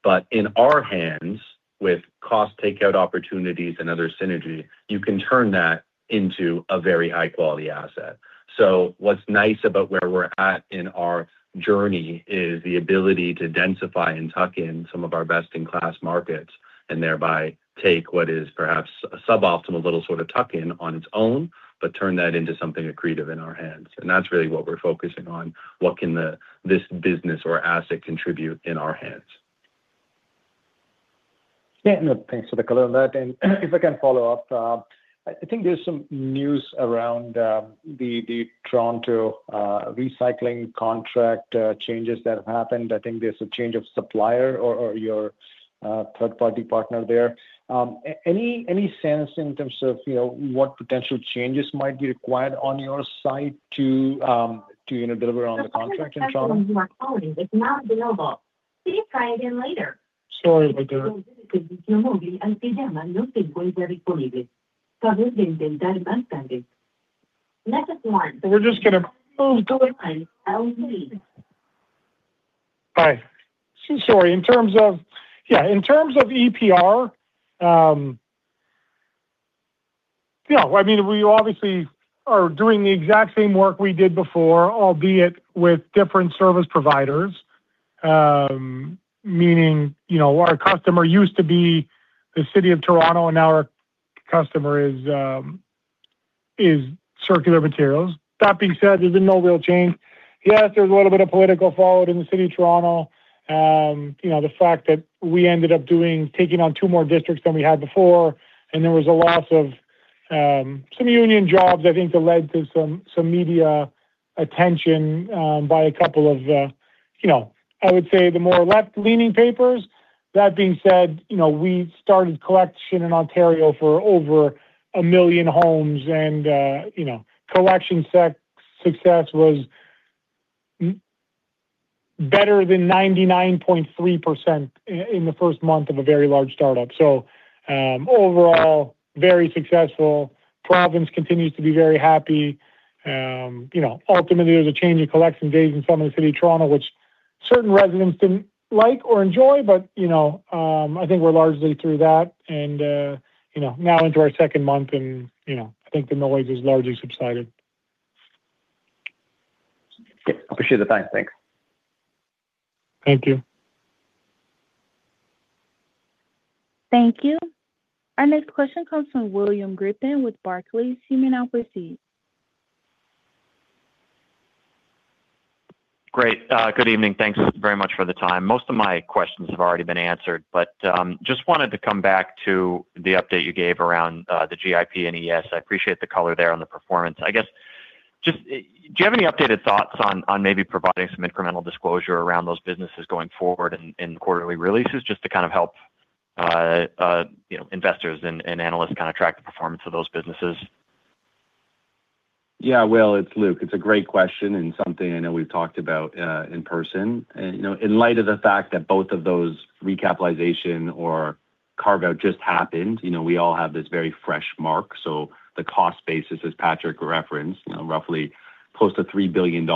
But in our hands, with cost takeout opportunities and other synergy, you can turn that into a very high-quality asset. So what's nice about where we're at in our journey is the ability to densify and tuck in some of our best-in-class markets and thereby take what is perhaps a suboptimal little sort of tuck-in on its own, but turn that into something accretive in our hands. And that's really what we're focusing on, what can this business or asset contribute in our hands. Yeah. No, thanks for the color on that. And if I can follow up, I think there's some news around the Toronto recycling contract changes that have happened. I think there's a change of supplier or your third-party partner there. Any sense in terms of what potential changes might be required on your side to deliver on the contract in Toronto? I'm sorry. I'm just calling. It's not available. Please try again later. Sure, my dear. No se preocupe. Si lo mueve, el sistema no se encuentra disponible. Habló de intentar más tarde. Let us warn. We're just going to move to it. LZ. Hi. Sorry. Yeah. In terms of EPR, yeah, I mean, we obviously are doing the exact same work we did before, albeit with different service providers, meaning our customer used to be the City of Toronto, and now our customer is Circular Materials. That being said, there's been no real change. Yes, there's a little bit of political fraud in the City of Toronto, the fact that we ended up taking on two more districts than we had before, and there was a loss of some union jobs, I think, that led to some media attention by a couple of, I would say, the more left-leaning papers. That being said, we started collection in Ontario for over 1 million homes, and collection success was better than 99.3% in the first month of a very large startup. So overall, very successful. Province continues to be very happy. Ultimately, there's a change in collection days in some of the City of Toronto, which certain residents didn't like or enjoy. But I think we're largely through that and now into our second month, and I think the noise has largely subsided. Yeah. Appreciate the time. Thanks. Thank you. Thank you. Our next question comes from William Griffin with Barclays. You may now proceed. Great. Good evening. Thanks very much for the time. Most of my questions have already been answered, but just wanted to come back to the update you gave around the GIP and ES. I appreciate the color there on the performance. I guess, do you have any updated thoughts on maybe providing some incremental disclosure around those businesses going forward in quarterly releases, just to kind of help investors and analysts kind of track the performance of those businesses? Yeah. Well, it's Luke. It's a great question and something I know we've talked about in person. In light of the fact that both of those recapitalization or carve-out just happened, we all have this very fresh mark. So the cost basis, as Patrick referenced, roughly close to $3 billion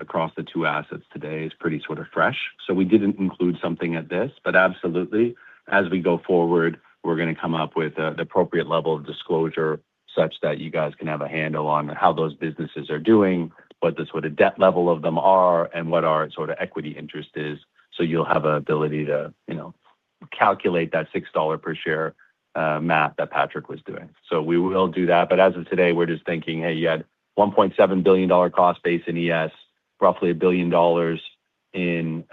across the two assets today is pretty sort of fresh. So we didn't include something at this. But absolutely, as we go forward, we're going to come up with the appropriate level of disclosure such that you guys can have a handle on how those businesses are doing, what the sort of debt level of them are, and what our sort of equity interest is. So you'll have an ability to calculate that $6 per share math that Patrick was doing. So we will do that. As of today, we're just thinking, "Hey, you had $1.7 billion cost base in ES, roughly $1 billion in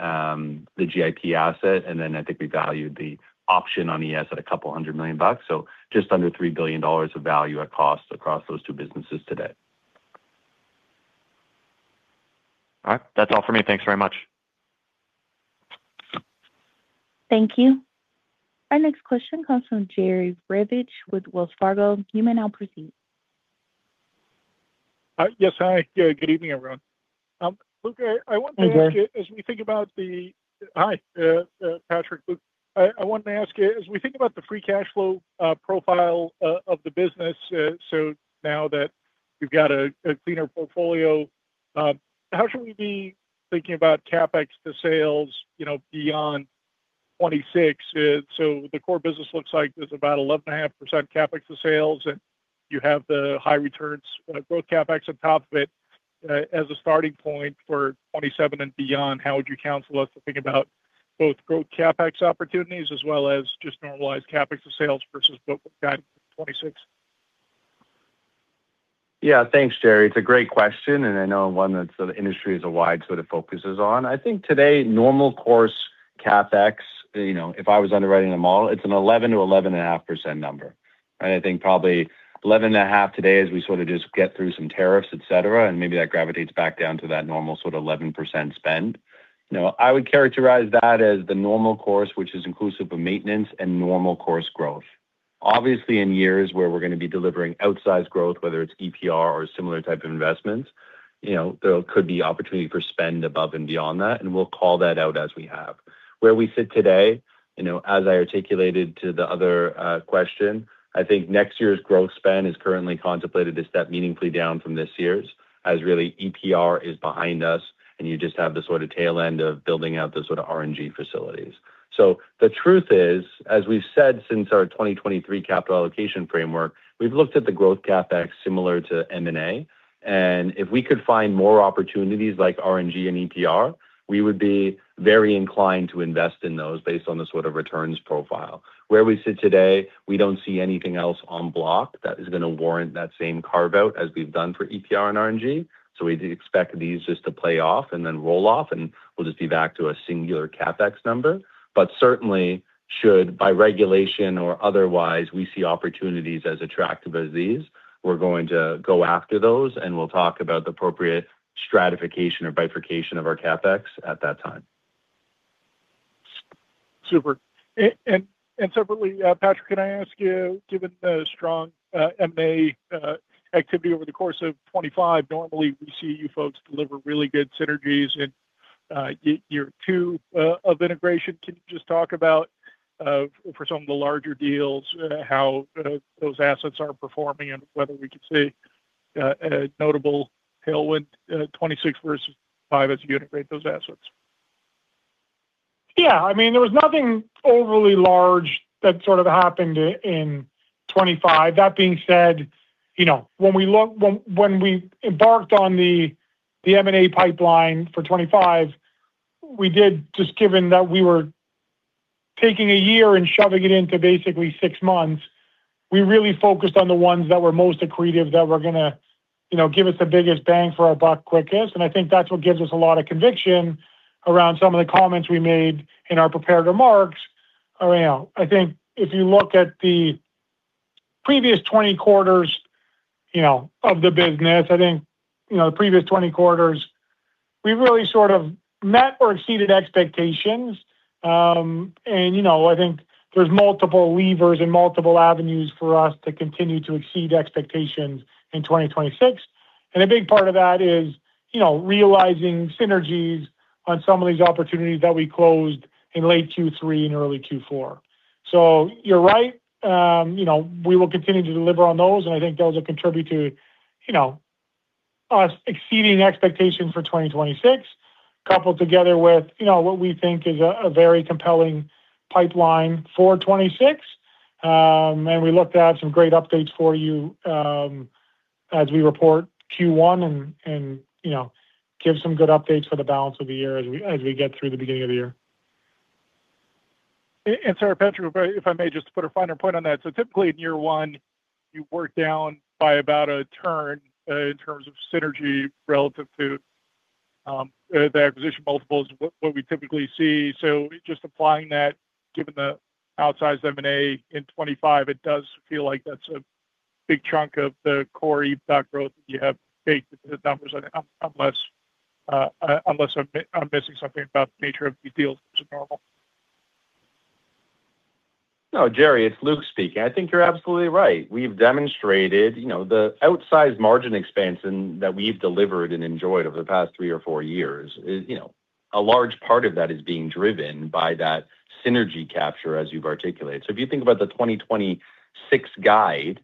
the GIP asset." And then I think we valued the option on ES at a couple hundred million bucks, so just under $3 billion of value at cost across those two businesses today. All right. That's all for me. Thanks very much. Thank you. Our next question comes from Jerry Revich with Wells Fargo. You may now proceed. Yes, hi. Good evening, everyone. Hi, Patrick. Luke, I wanted to ask you, as we think about the free cash flow profile of the business, so now that we've got a cleaner portfolio, how should we be thinking about CapEx to sales beyond 2026? So the core business looks like there's about 11.5% CapEx to sales, and you have the high returns growth CapEx on top of it. As a starting point for 2027 and beyond, how would you counsel us to think about both growth CapEx opportunities as well as just normalized CapEx to sales versus what we've got in 2026? Yeah. Thanks, Jerry. It's a great question, and I know one that sort of industry-wide sort of focuses on. I think today, normal course CapEx, if I was underwriting a model, it's an 11%-11.5% number, right? I think probably 11.5% today as we sort of just get through some tariffs, etc., and maybe that gravitates back down to that normal sort of 11% spend. I would characterize that as the normal course, which is inclusive of maintenance and normal course growth. Obviously, in years where we're going to be delivering outsized growth, whether it's EPR or a similar type of investments, there could be opportunity for spend above and beyond that, and we'll call that out as we have. Where we sit today, as I articulated to the other question, I think next year's growth spend is currently contemplated a step meaningfully down from this year's as really EPR is behind us, and you just have the sort of tail end of building out the sort of R&G facilities. So the truth is, as we've said since our 2023 capital allocation framework, we've looked at the growth CapEx similar to M&A. And if we could find more opportunities like R&G and EPR, we would be very inclined to invest in those based on the sort of returns profile. Where we sit today, we don't see anything else on block that is going to warrant that same carve-out as we've done for EPR and R&G. So we'd expect these just to play off and then roll off, and we'll just be back to a singular CapEx number. But certainly, by regulation or otherwise, we see opportunities as attractive as these, we're going to go after those, and we'll talk about the appropriate stratification or bifurcation of our CapEx at that time. Super. Separately, Patrick, can I ask you, given the strong M&A activity over the course of 2025, normally, we see you folks deliver really good synergies in year two of integration. Can you just talk about, for some of the larger deals, how those assets are performing and whether we could see a notable tailwind 2026 versus 2025 as you integrate those assets? Yeah. I mean, there was nothing overly large that sort of happened in 2025. That being said, when we embarked on the M&A pipeline for 2025, we did just given that we were taking a year and shoving it into basically 6 months, we really focused on the ones that were most accretive that were going to give us the biggest bang for our buck quickest. And I think that's what gives us a lot of conviction around some of the comments we made in our prepared remarks. I think if you look at the previous 20 quarters of the business, I think the previous 20 quarters, we really sort of met or exceeded expectations. And I think there's multiple levers and multiple avenues for us to continue to exceed expectations in 2026. A big part of that is realizing synergies on some of these opportunities that we closed in late Q3 and early Q4. You're right. We will continue to deliver on those. I think those will contribute to us exceeding expectations for 2026, coupled together with what we think is a very compelling pipeline for 2026. We look to have some great updates for you as we report Q1 and give some good updates for the balance of the year as we get through the beginning of the year. Sorry, Patrick, if I may, just to put a finer point on that. So typically, in year one, you work down by about a turn in terms of synergy relative to the acquisition multiples, what we typically see. So just applying that, given the outsized M&A in 2025, it does feel like that's a big chunk of the core EBITDA growth that you have baked into the numbers unless I'm missing something about the nature of these deals that's abnormal. No, Jerry, it's Luke speaking. I think you're absolutely right. We've demonstrated the outsized margin expansion that we've delivered and enjoyed over the past three or four years. A large part of that is being driven by that synergy capture, as you've articulated. So if you think about the 2026 guide,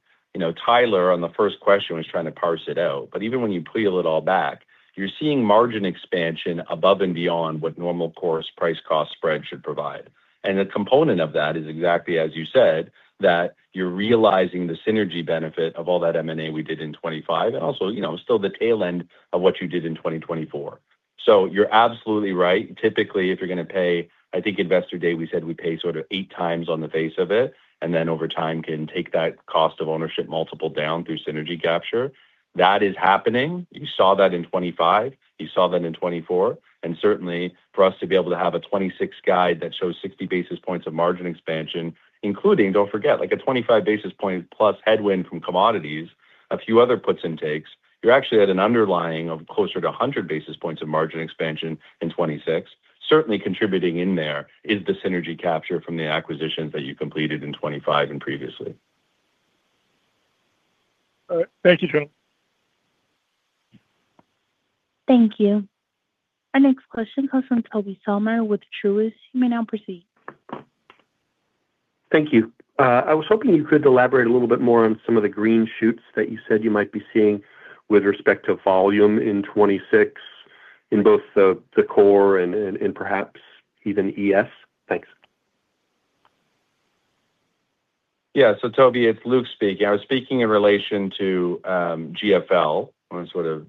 Tyler, on the first question, was trying to parse it out. But even when you peel it all back, you're seeing margin expansion above and beyond what normal course price-cost spread should provide. And a component of that is exactly as you said, that you're realizing the synergy benefit of all that M&A we did in 2025 and also still the tail end of what you did in 2024. So you're absolutely right. Typically, if you're going to pay, I think Investor Day, we said we pay sort of 8x on the face of it and then over time can take that cost of ownership multiple down through synergy capture. That is happening. You saw that in 2025. You saw that in 2024. And certainly, for us to be able to have a 2026 guide that shows 60 basis points of margin expansion, including, don't forget, a 25 basis point-plus headwind from commodities, a few other puts and takes, you're actually at an underlying of closer to 100 basis points of margin expansion in 2026. Certainly, contributing in there is the synergy capture from the acquisitions that you completed in 2025 and previously. All right. Thank you, Trent. Thank you. Our next question comes from Toby Sommer with Truist. You may now proceed. Thank you. I was hoping you could elaborate a little bit more on some of the green shoots that you said you might be seeing with respect to volume in 2026 in both the core and perhaps even ES? Thanks. Yeah. So Toby, it's Luke speaking. I was speaking in relation to GFL when I sort of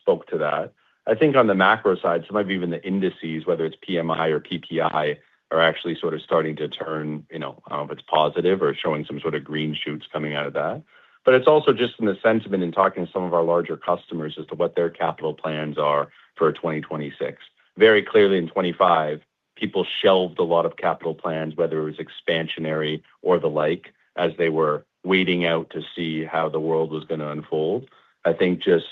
spoke to that. I think on the macro side, some of even the indices, whether it's PMI or PPI, are actually sort of starting to turn, I don't know if it's positive or showing some sort of green shoots coming out of that. But it's also just in the sentiment and talking to some of our larger customers as to what their capital plans are for 2026. Very clearly, in 2025, people shelved a lot of capital plans, whether it was expansionary or the like, as they were waiting out to see how the world was going to unfold. I think just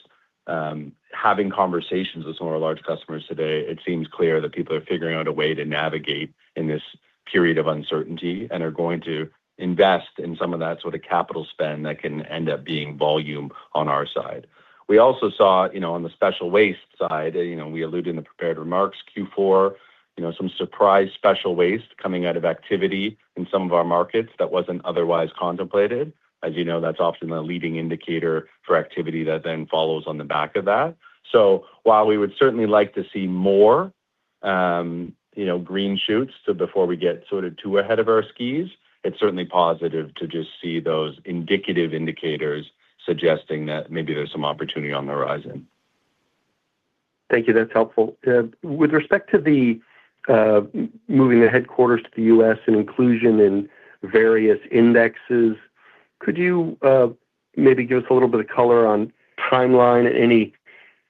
having conversations with some of our large customers today, it seems clear that people are figuring out a way to navigate in this period of uncertainty and are going to invest in some of that sort of capital spend that can end up being volume on our side. We also saw on the special waste side, we alluded in the prepared remarks, Q4, some surprise special waste coming out of activity in some of our markets that wasn't otherwise contemplated. As you know, that's often the leading indicator for activity that then follows on the back of that. So while we would certainly like to see more green shoots before we get sort of too ahead of our skis, it's certainly positive to just see those indicative indicators suggesting that maybe there's some opportunity on the horizon. Thank you. That's helpful. With respect to moving the headquarters to the U.S. and inclusion in various indexes, could you maybe give us a little bit of color on timeline and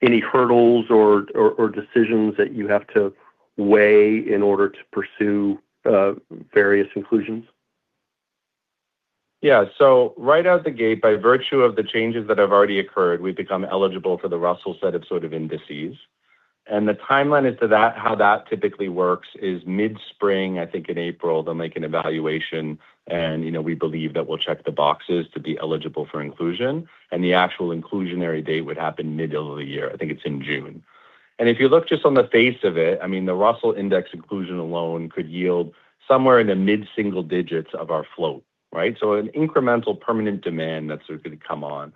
any hurdles or decisions that you have to weigh in order to pursue various inclusions? Yeah. So right out the gate, by virtue of the changes that have already occurred, we've become eligible for the Russell set of sort of indices. And the timeline as to how that typically works is mid-spring, I think, in April, they'll make an evaluation, and we believe that we'll check the boxes to be eligible for inclusion. And the actual inclusionary date would happen mid-end of the year. I think it's in June. And if you look just on the face of it, I mean, the Russell Index inclusion alone could yield somewhere in the mid-single digits of our float, right? So an incremental permanent demand that sort of could come on.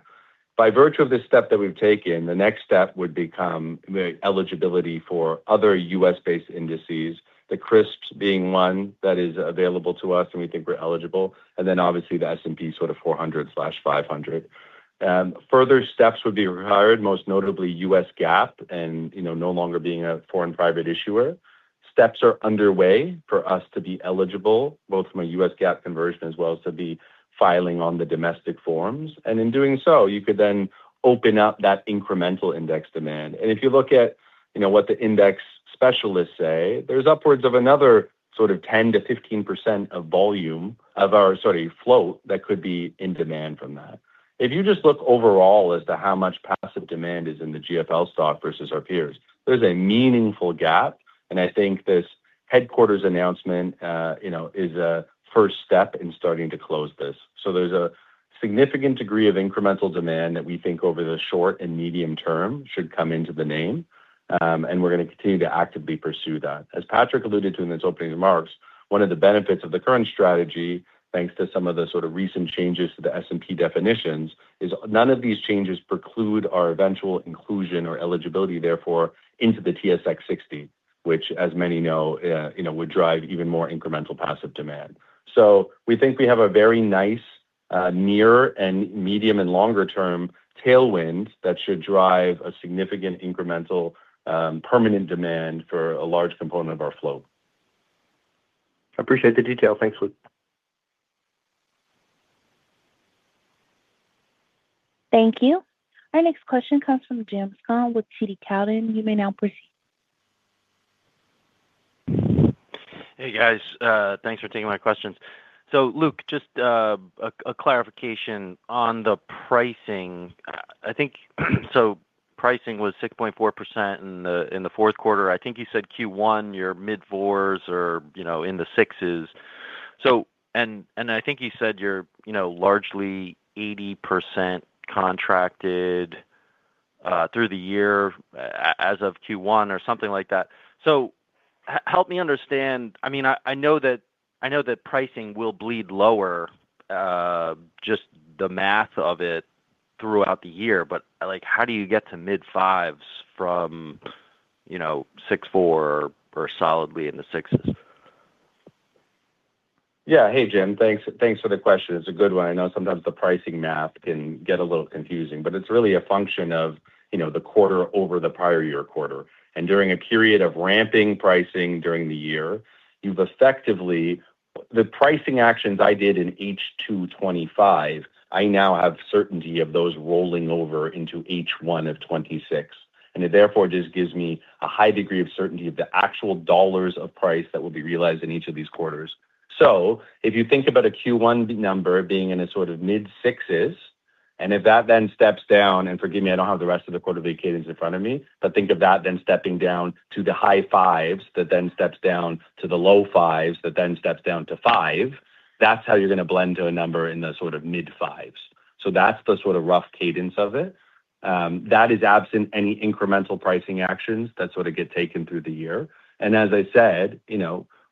By virtue of this step that we've taken, the next step would become eligibility for other U.S.-based indices, the CRISPS being one that is available to us and we think we're eligible, and then obviously the S&P sort of 400/500. Further steps would be required, most notably U.S. GAAP and no longer being a foreign private issuer. Steps are underway for us to be eligible, both from a U.S. GAAP conversion as well as to be filing on the domestic forms. In doing so, you could then open up that incremental index demand. If you look at what the index specialists say, there's upwards of another sort of 10%-15% of volume of our sorry, float that could be in demand from that. If you just look overall as to how much passive demand is in the GFL stock versus our peers, there's a meaningful gap. I think this headquarters announcement is a first step in starting to close this. There's a significant degree of incremental demand that we think over the short and medium term should come into the name. We're going to continue to actively pursue that. As Patrick alluded to in his opening remarks, one of the benefits of the current strategy, thanks to some of the sort of recent changes to the S&P definitions, is none of these changes preclude our eventual inclusion or eligibility, therefore, into the TSX 60, which, as many know, would drive even more incremental passive demand. We think we have a very nice near and medium and longer-term tailwind that should drive a significant incremental permanent demand for a large component of our float. I appreciate the detail. Thanks, Luke. Thank you. Our next question comes from Jamison with TD Cowen. You may now proceed. Hey, guys. Thanks for taking my questions. So Luke, just a clarification on the pricing. So pricing was 6.4% in the fourth quarter. I think you said Q1, you're mid-4s or in the 6s. And I think you said you're largely 80% contracted through the year as of Q1 or something like that. So help me understand. I mean, I know that pricing will bleed lower, just the math of it, throughout the year, but how do you get to mid-5s from 6-4 or solidly in the 6s? Yeah. Hey, Jim. Thanks for the question. It's a good one. I know sometimes the pricing math can get a little confusing, but it's really a function of the quarter over the prior year quarter. During a period of ramping pricing during the year, you've effectively the pricing actions I did in H2 2025. I now have certainty of those rolling over into H1 of 2026. It therefore just gives me a high degree of certainty of the actual dollars of price that will be realized in each of these quarters. So if you think about a Q1 number being in a sort of mid-6s, and if that then steps down and forgive me, I don't have the rest of the quarterly cadence in front of me, but think of that then stepping down to the high 5s, that then steps down to the low 5s, that then steps down to 5, that's how you're going to blend to a number in the sort of mid-5s. So that's the sort of rough cadence of it. That is absent any incremental pricing actions that sort of get taken through the year. And as I said,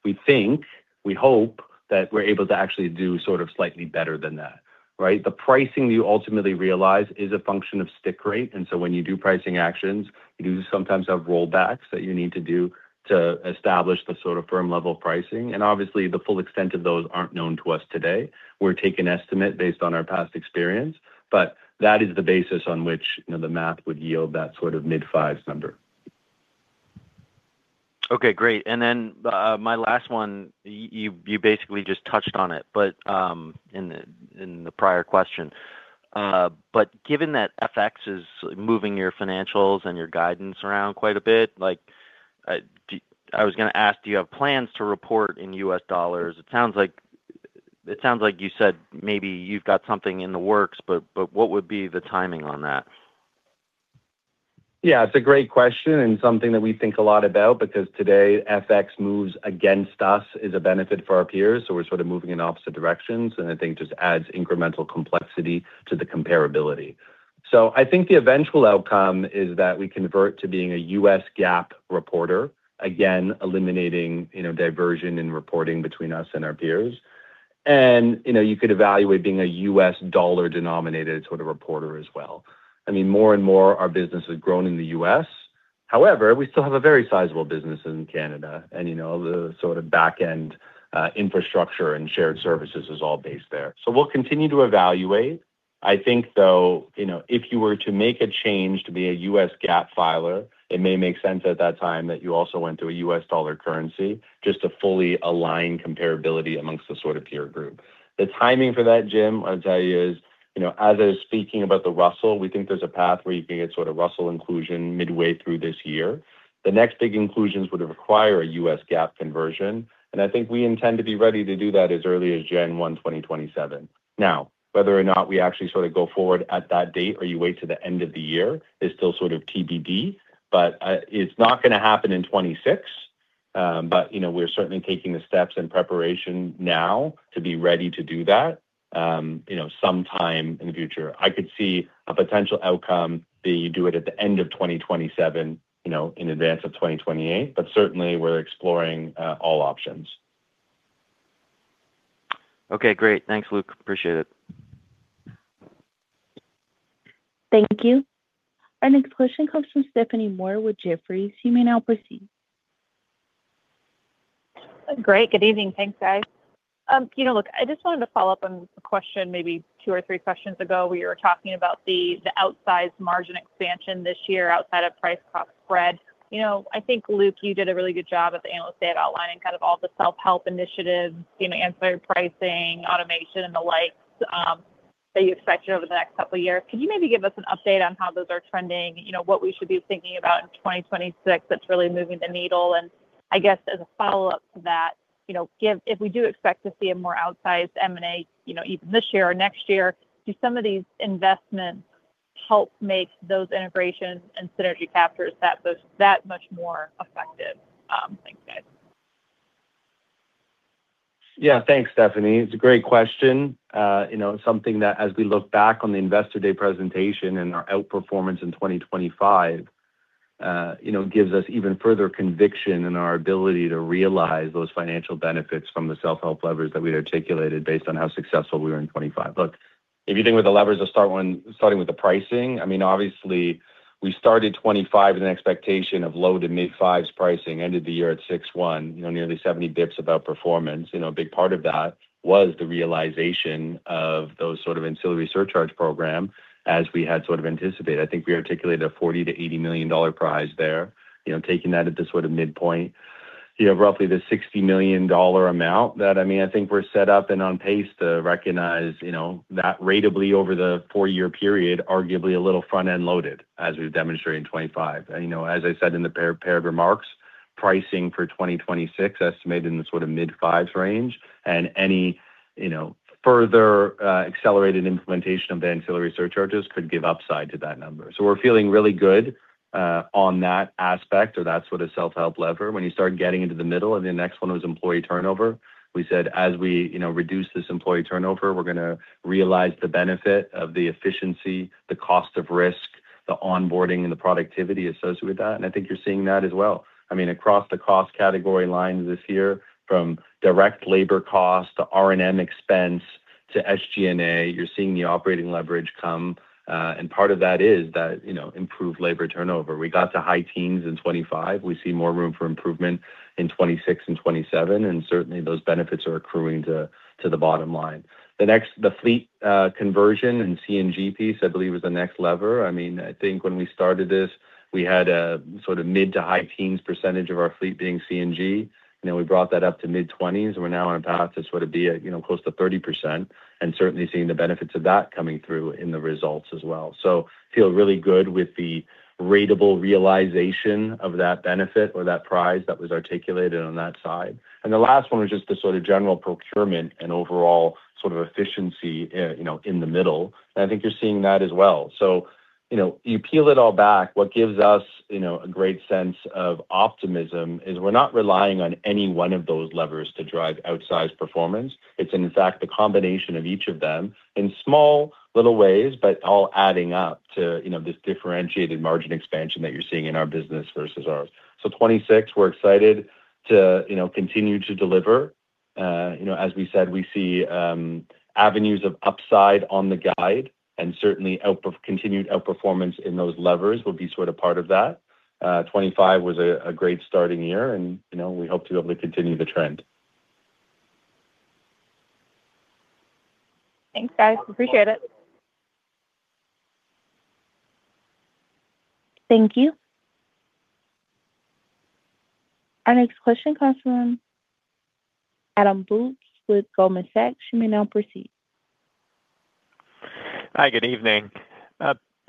we think, we hope that we're able to actually do sort of slightly better than that, right? The pricing that you ultimately realize is a function of stick rate. When you do pricing actions, you do sometimes have rollbacks that you need to do to establish the sort of firm-level pricing. Obviously, the full extent of those aren't known to us today. We're taking estimates based on our past experience. That is the basis on which the math would yield that sort of mid-5s number. Okay. Great. And then my last one, you basically just touched on it in the prior question. But given that FX is moving your financials and your guidance around quite a bit, I was going to ask, do you have plans to report in U.S. dollars? It sounds like you said maybe you've got something in the works, but what would be the timing on that? Yeah. It's a great question and something that we think a lot about because today, FX moves against us is a benefit for our peers. So we're sort of moving in opposite directions. And I think just adds incremental complexity to the comparability. So I think the eventual outcome is that we convert to being a U.S. GAAP reporter, again, eliminating diversion in reporting between us and our peers. And you could evaluate being a U.S. dollar-denominated sort of reporter as well. I mean, more and more, our business has grown in the U.S. However, we still have a very sizable business in Canada. And the sort of backend infrastructure and shared services is all based there. So we'll continue to evaluate. I think, though, if you were to make a change to be a U.S. GAAP filer, it may make sense at that time that you also went to a U.S. dollar currency just to fully align comparability among the sort of peer group. The timing for that, Jim, I'll tell you is, as I was speaking about the Russell, we think there's a path where you can get sort of Russell inclusion midway through this year. The next big inclusions would require a U.S. GAAP conversion. And I think we intend to be ready to do that as early as Q1 2027. Now, whether or not we actually sort of go forward at that date or you wait to the end of the year is still sort of TBD. But it's not going to happen in 2026. But we're certainly taking the steps and preparation now to be ready to do that sometime in the future. I could see a potential outcome being you do it at the end of 2027 in advance of 2028. But certainly, we're exploring all options. Okay. Great. Thanks, Luke. Appreciate it. Thank you. Our next question comes from Stephanie Moore with Jefferies. You may now proceed. Great. Good evening. Thanks, guys. Look, I just wanted to follow up on a question maybe two or three questions ago. We were talking about the outsized margin expansion this year outside of price-cost spread. I think, Luke, you did a really good job at the analyst day of outlining kind of all the self-help initiatives, answering pricing, automation, and the likes that you expected over the next couple of years. Could you maybe give us an update on how those are trending, what we should be thinking about in 2026 that's really moving the needle? And I guess as a follow-up to that, if we do expect to see a more outsized M&A even this year or next year, do some of these investments help make those integrations and synergy captures that much more effective? Thanks, guys. Yeah. Thanks, Stephanie. It's a great question. Something that, as we look back on the investor day presentation and our outperformance in 2025, gives us even further conviction in our ability to realize those financial benefits from the self-help levers that we'd articulated based on how successful we were in 2025. Look, if you think where the levers are starting with the pricing, I mean, obviously, we started 2025 with an expectation of low to mid-5s pricing, ended the year at 6-1, nearly 70 bips of outperformance. A big part of that was the realization of those sort of ancillary surcharge program as we had sort of anticipated. I think we articulated a $40 million-$80 million price there, taking that at this sort of midpoint. You have roughly the $60 million amount that, I mean, I think we're set up and on pace to recognize that ratably over the four-year period, arguably a little front-end loaded as we've demonstrated in 2025. As I said in the prepared remarks, pricing for 2026 estimated in the sort of mid-5s range. Any further accelerated implementation of the ancillary surcharges could give upside to that number. We're feeling really good on that aspect, or that's what a self-help lever. When you start getting into the middle and the next one was employee turnover, we said, "As we reduce this employee turnover, we're going to realize the benefit of the efficiency, the cost of risk, the onboarding, and the productivity associated with that." I think you're seeing that as well. I mean, across the cost category lines this year, from direct labor cost to R&M expense to SG&A, you're seeing the operating leverage come. And part of that is that improved labor turnover. We got to high teens in 2025. We see more room for improvement in 2026 and 2027. And certainly, those benefits are accruing to the bottom line. The fleet conversion and CNG piece, I believe, was the next lever. I mean, I think when we started this, we had a sort of mid- to high-teens percentage of our fleet being CNG. And then we brought that up to mid-20s. And we're now on a path to sort of be close to 30% and certainly seeing the benefits of that coming through in the results as well. So feel really good with the ratable realization of that benefit or that prize that was articulated on that side. The last one was just the sort of general procurement and overall sort of efficiency in the middle. And I think you're seeing that as well. So you peel it all back, what gives us a great sense of optimism is we're not relying on any one of those levers to drive outsized performance. It's, in fact, the combination of each of them in small little ways, but all adding up to this differentiated margin expansion that you're seeing in our business versus ours. So 2026, we're excited to continue to deliver. As we said, we see avenues of upside on the guide. And certainly, continued outperformance in those levers will be sort of part of that. 2025 was a great starting year. And we hope to be able to continue the trend. Thanks, guys. Appreciate it. Thank you. Our next question comes from Adam Bubes with Goldman Sachs. You may now proceed. Hi. Good evening.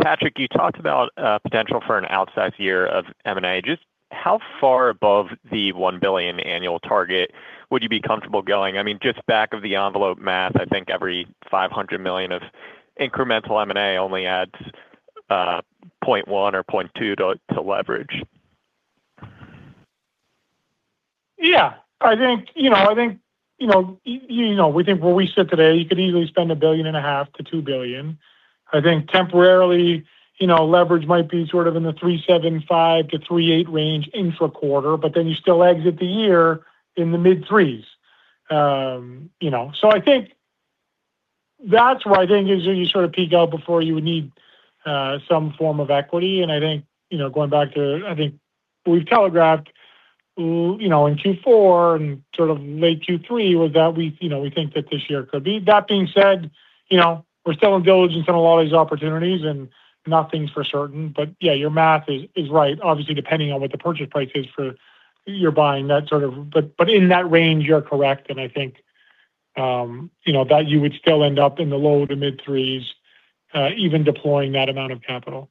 Patrick, you talked about potential for an outsized year of M&A. Just how far above the $1 billion annual target would you be comfortable going? I mean, just back of the envelope math, I think every $500 million of incremental M&A only adds 0.1 or 0.2 to leverage. Yeah. I think we think where we sit today, you could easily spend $1.5 billion-$2 billion. I think temporarily, leverage might be sort of in the 3.75-3.8 range intra-quarter. But then you still exit the year in the mid-3s. So I think that's where I think is where you sort of peak out before you would need some form of equity. And I think going back to I think what we've telegraphed in Q4 and sort of late Q3 was that we think that this year could be. That being said, we're still in diligence on a lot of these opportunities and nothing's for certain. But yeah, your math is right. Obviously, depending on what the purchase price is for you're buying that sort of but in that range, you're correct. I think that you would still end up in the low to mid-3s even deploying that amount of capital.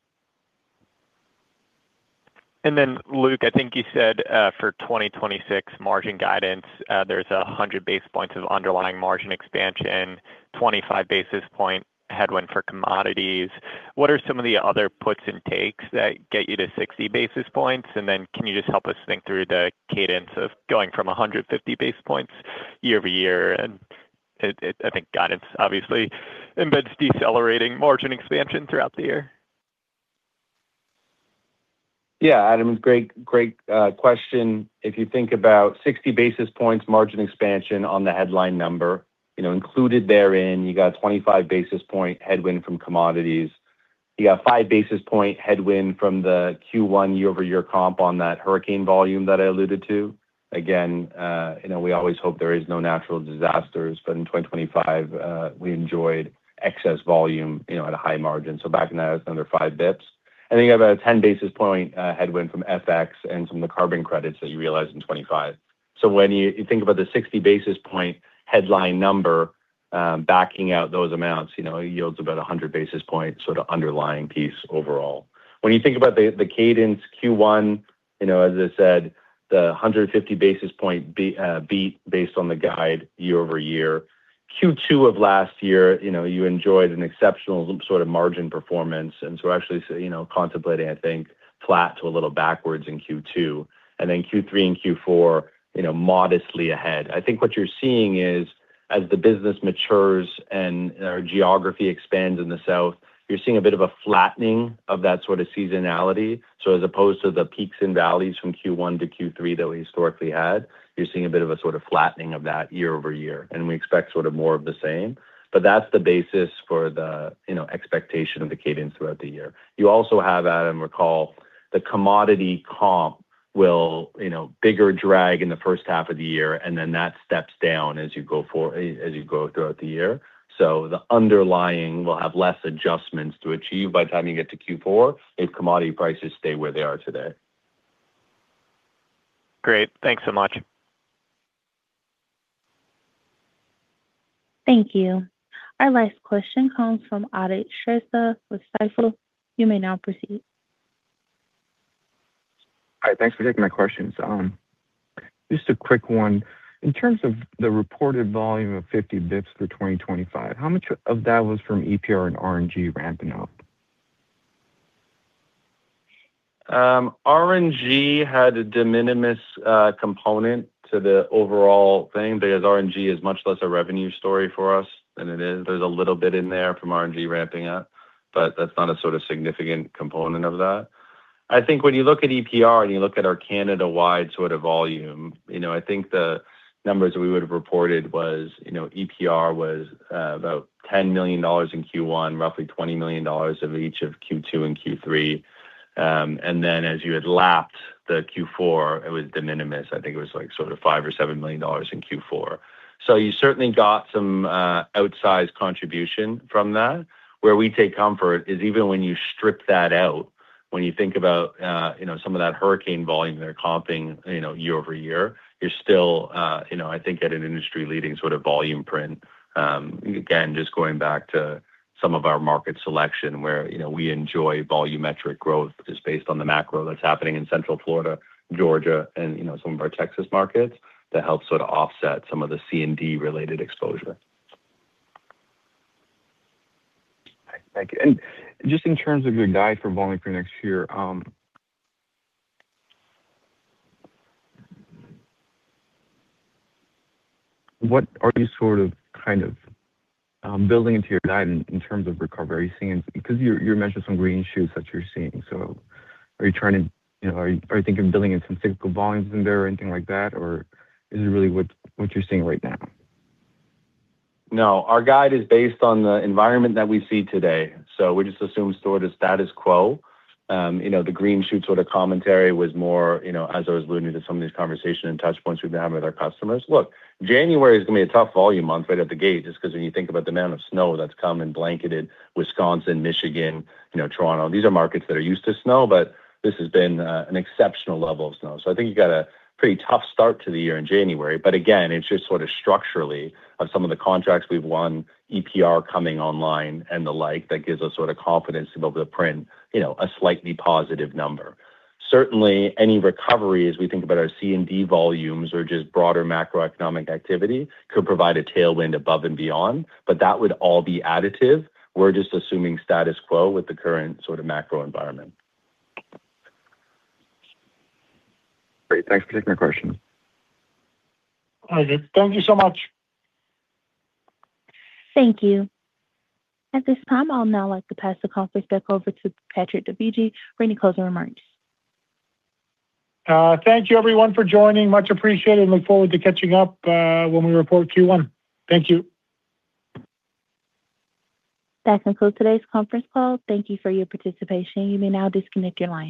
Then, Luke, I think you said for 2026 margin guidance, there's 100 basis points of underlying margin expansion, 25 basis point headwind for commodities. What are some of the other puts and takes that get you to 60 basis points? Then can you just help us think through the cadence of going from 150 basis points year-over-year? I think guidance, obviously, embeds decelerating margin expansion throughout the year. Yeah, Adam, great question. If you think about 60 basis points margin expansion on the headline number, included therein, you got 25 basis point headwind from commodities. You got 5 basis point headwind from the Q1 year-over-year comp on that hurricane volume that I alluded to. Again, we always hope there is no natural disasters. But in 2025, we enjoyed excess volume at a high margin. So back in that, it was another 5 basis points. And then you have a 10 basis point headwind from FX and some of the carbon credits that you realize in 2025. So when you think about the 60 basis point headline number backing out those amounts, it yields about 100 basis point sort of underlying piece overall. When you think about the cadence, Q1, as I said, the 150 basis point beat based on the guide year-over-year. Q2 of last year, you enjoyed an exceptional sort of margin performance. So actually contemplating, I think, flat to a little backwards in Q2. Then Q3 and Q4, modestly ahead. I think what you're seeing is, as the business matures and our geography expands in the south, you're seeing a bit of a flattening of that sort of seasonality. So as opposed to the peaks and valleys from Q1 to Q3 that we historically had, you're seeing a bit of a sort of flattening of that year-over-year. We expect sort of more of the same. But that's the basis for the expectation of the cadence throughout the year. You also have, Adam, recall, the commodity comp will bigger drag in the first half of the year. Then that steps down as you go throughout the year. The underlying will have less adjustments to achieve by the time you get to Q4 if commodity prices stay where they are today. Great. Thanks so much. Thank you. Our last question comes from Adech Shreza with Stifel. You may now proceed. All right. Thanks for taking my questions. Just a quick one. In terms of the reported volume of 50 bps for 2025, how much of that was from EPR and R&G ramping up? R&G had a de minimis component to the overall thing because R&G is much less a revenue story for us than it is. There's a little bit in there from R&G ramping up. But that's not a sort of significant component of that. I think when you look at EPR and you look at our Canada-wide sort of volume, I think the numbers that we would have reported was EPR was about $10 million in Q1, roughly $20 million of each of Q2 and Q3. And then as you had lapped the Q4, it was de minimis. I think it was sort of $5 or $7 million in Q4. So you certainly got some outsized contribution from that. Where we take comfort is even when you strip that out, when you think about some of that hurricane volume they're comping year over year, you're still, I think, at an industry-leading sort of volume print. Again, just going back to some of our market selection where we enjoy volumetric growth just based on the macro that's happening in Central Florida, Georgia, and some of our Texas markets that helps sort of offset some of the C&D-related exposure. All right. Thank you. And just in terms of your guide for volume for next year, what are you sort of kind of building into your guide in terms of recovery? Because you mentioned some green shoots that you're seeing. So are you thinking of building in some cyclical volumes in there or anything like that? Or is it really what you're seeing right now? No. Our guide is based on the environment that we see today. So we just assume sort of status quo. The green shoot sort of commentary was more, as I was alluding to some of these conversations and touchpoints we've been having with our customers, "Look, January is going to be a tough volume month right at the gate." Just because when you think about the amount of snow that's come and blanketed Wisconsin, Michigan, Toronto, these are markets that are used to snow. But this has been an exceptional level of snow. So I think you got a pretty tough start to the year in January. But again, it's just sort of structurally of some of the contracts we've won, EPR coming online and the like that gives us sort of confidence to be able to print a slightly positive number. Certainly, any recovery as we think about our C&D volumes or just broader macroeconomic activity could provide a tailwind above and beyond. But that would all be additive. We're just assuming status quo with the current sort of macro environment. Great. Thanks for taking my question. All right. Thank you so much. Thank you. At this time, I'll now pass the conference back over to Patrick Dovigi for any closing remarks. Thank you, everyone, for joining. Much appreciated. Look forward to catching up when we report Q1. Thank you. That concludes today's conference call. Thank you for your participation. You may now disconnect your line.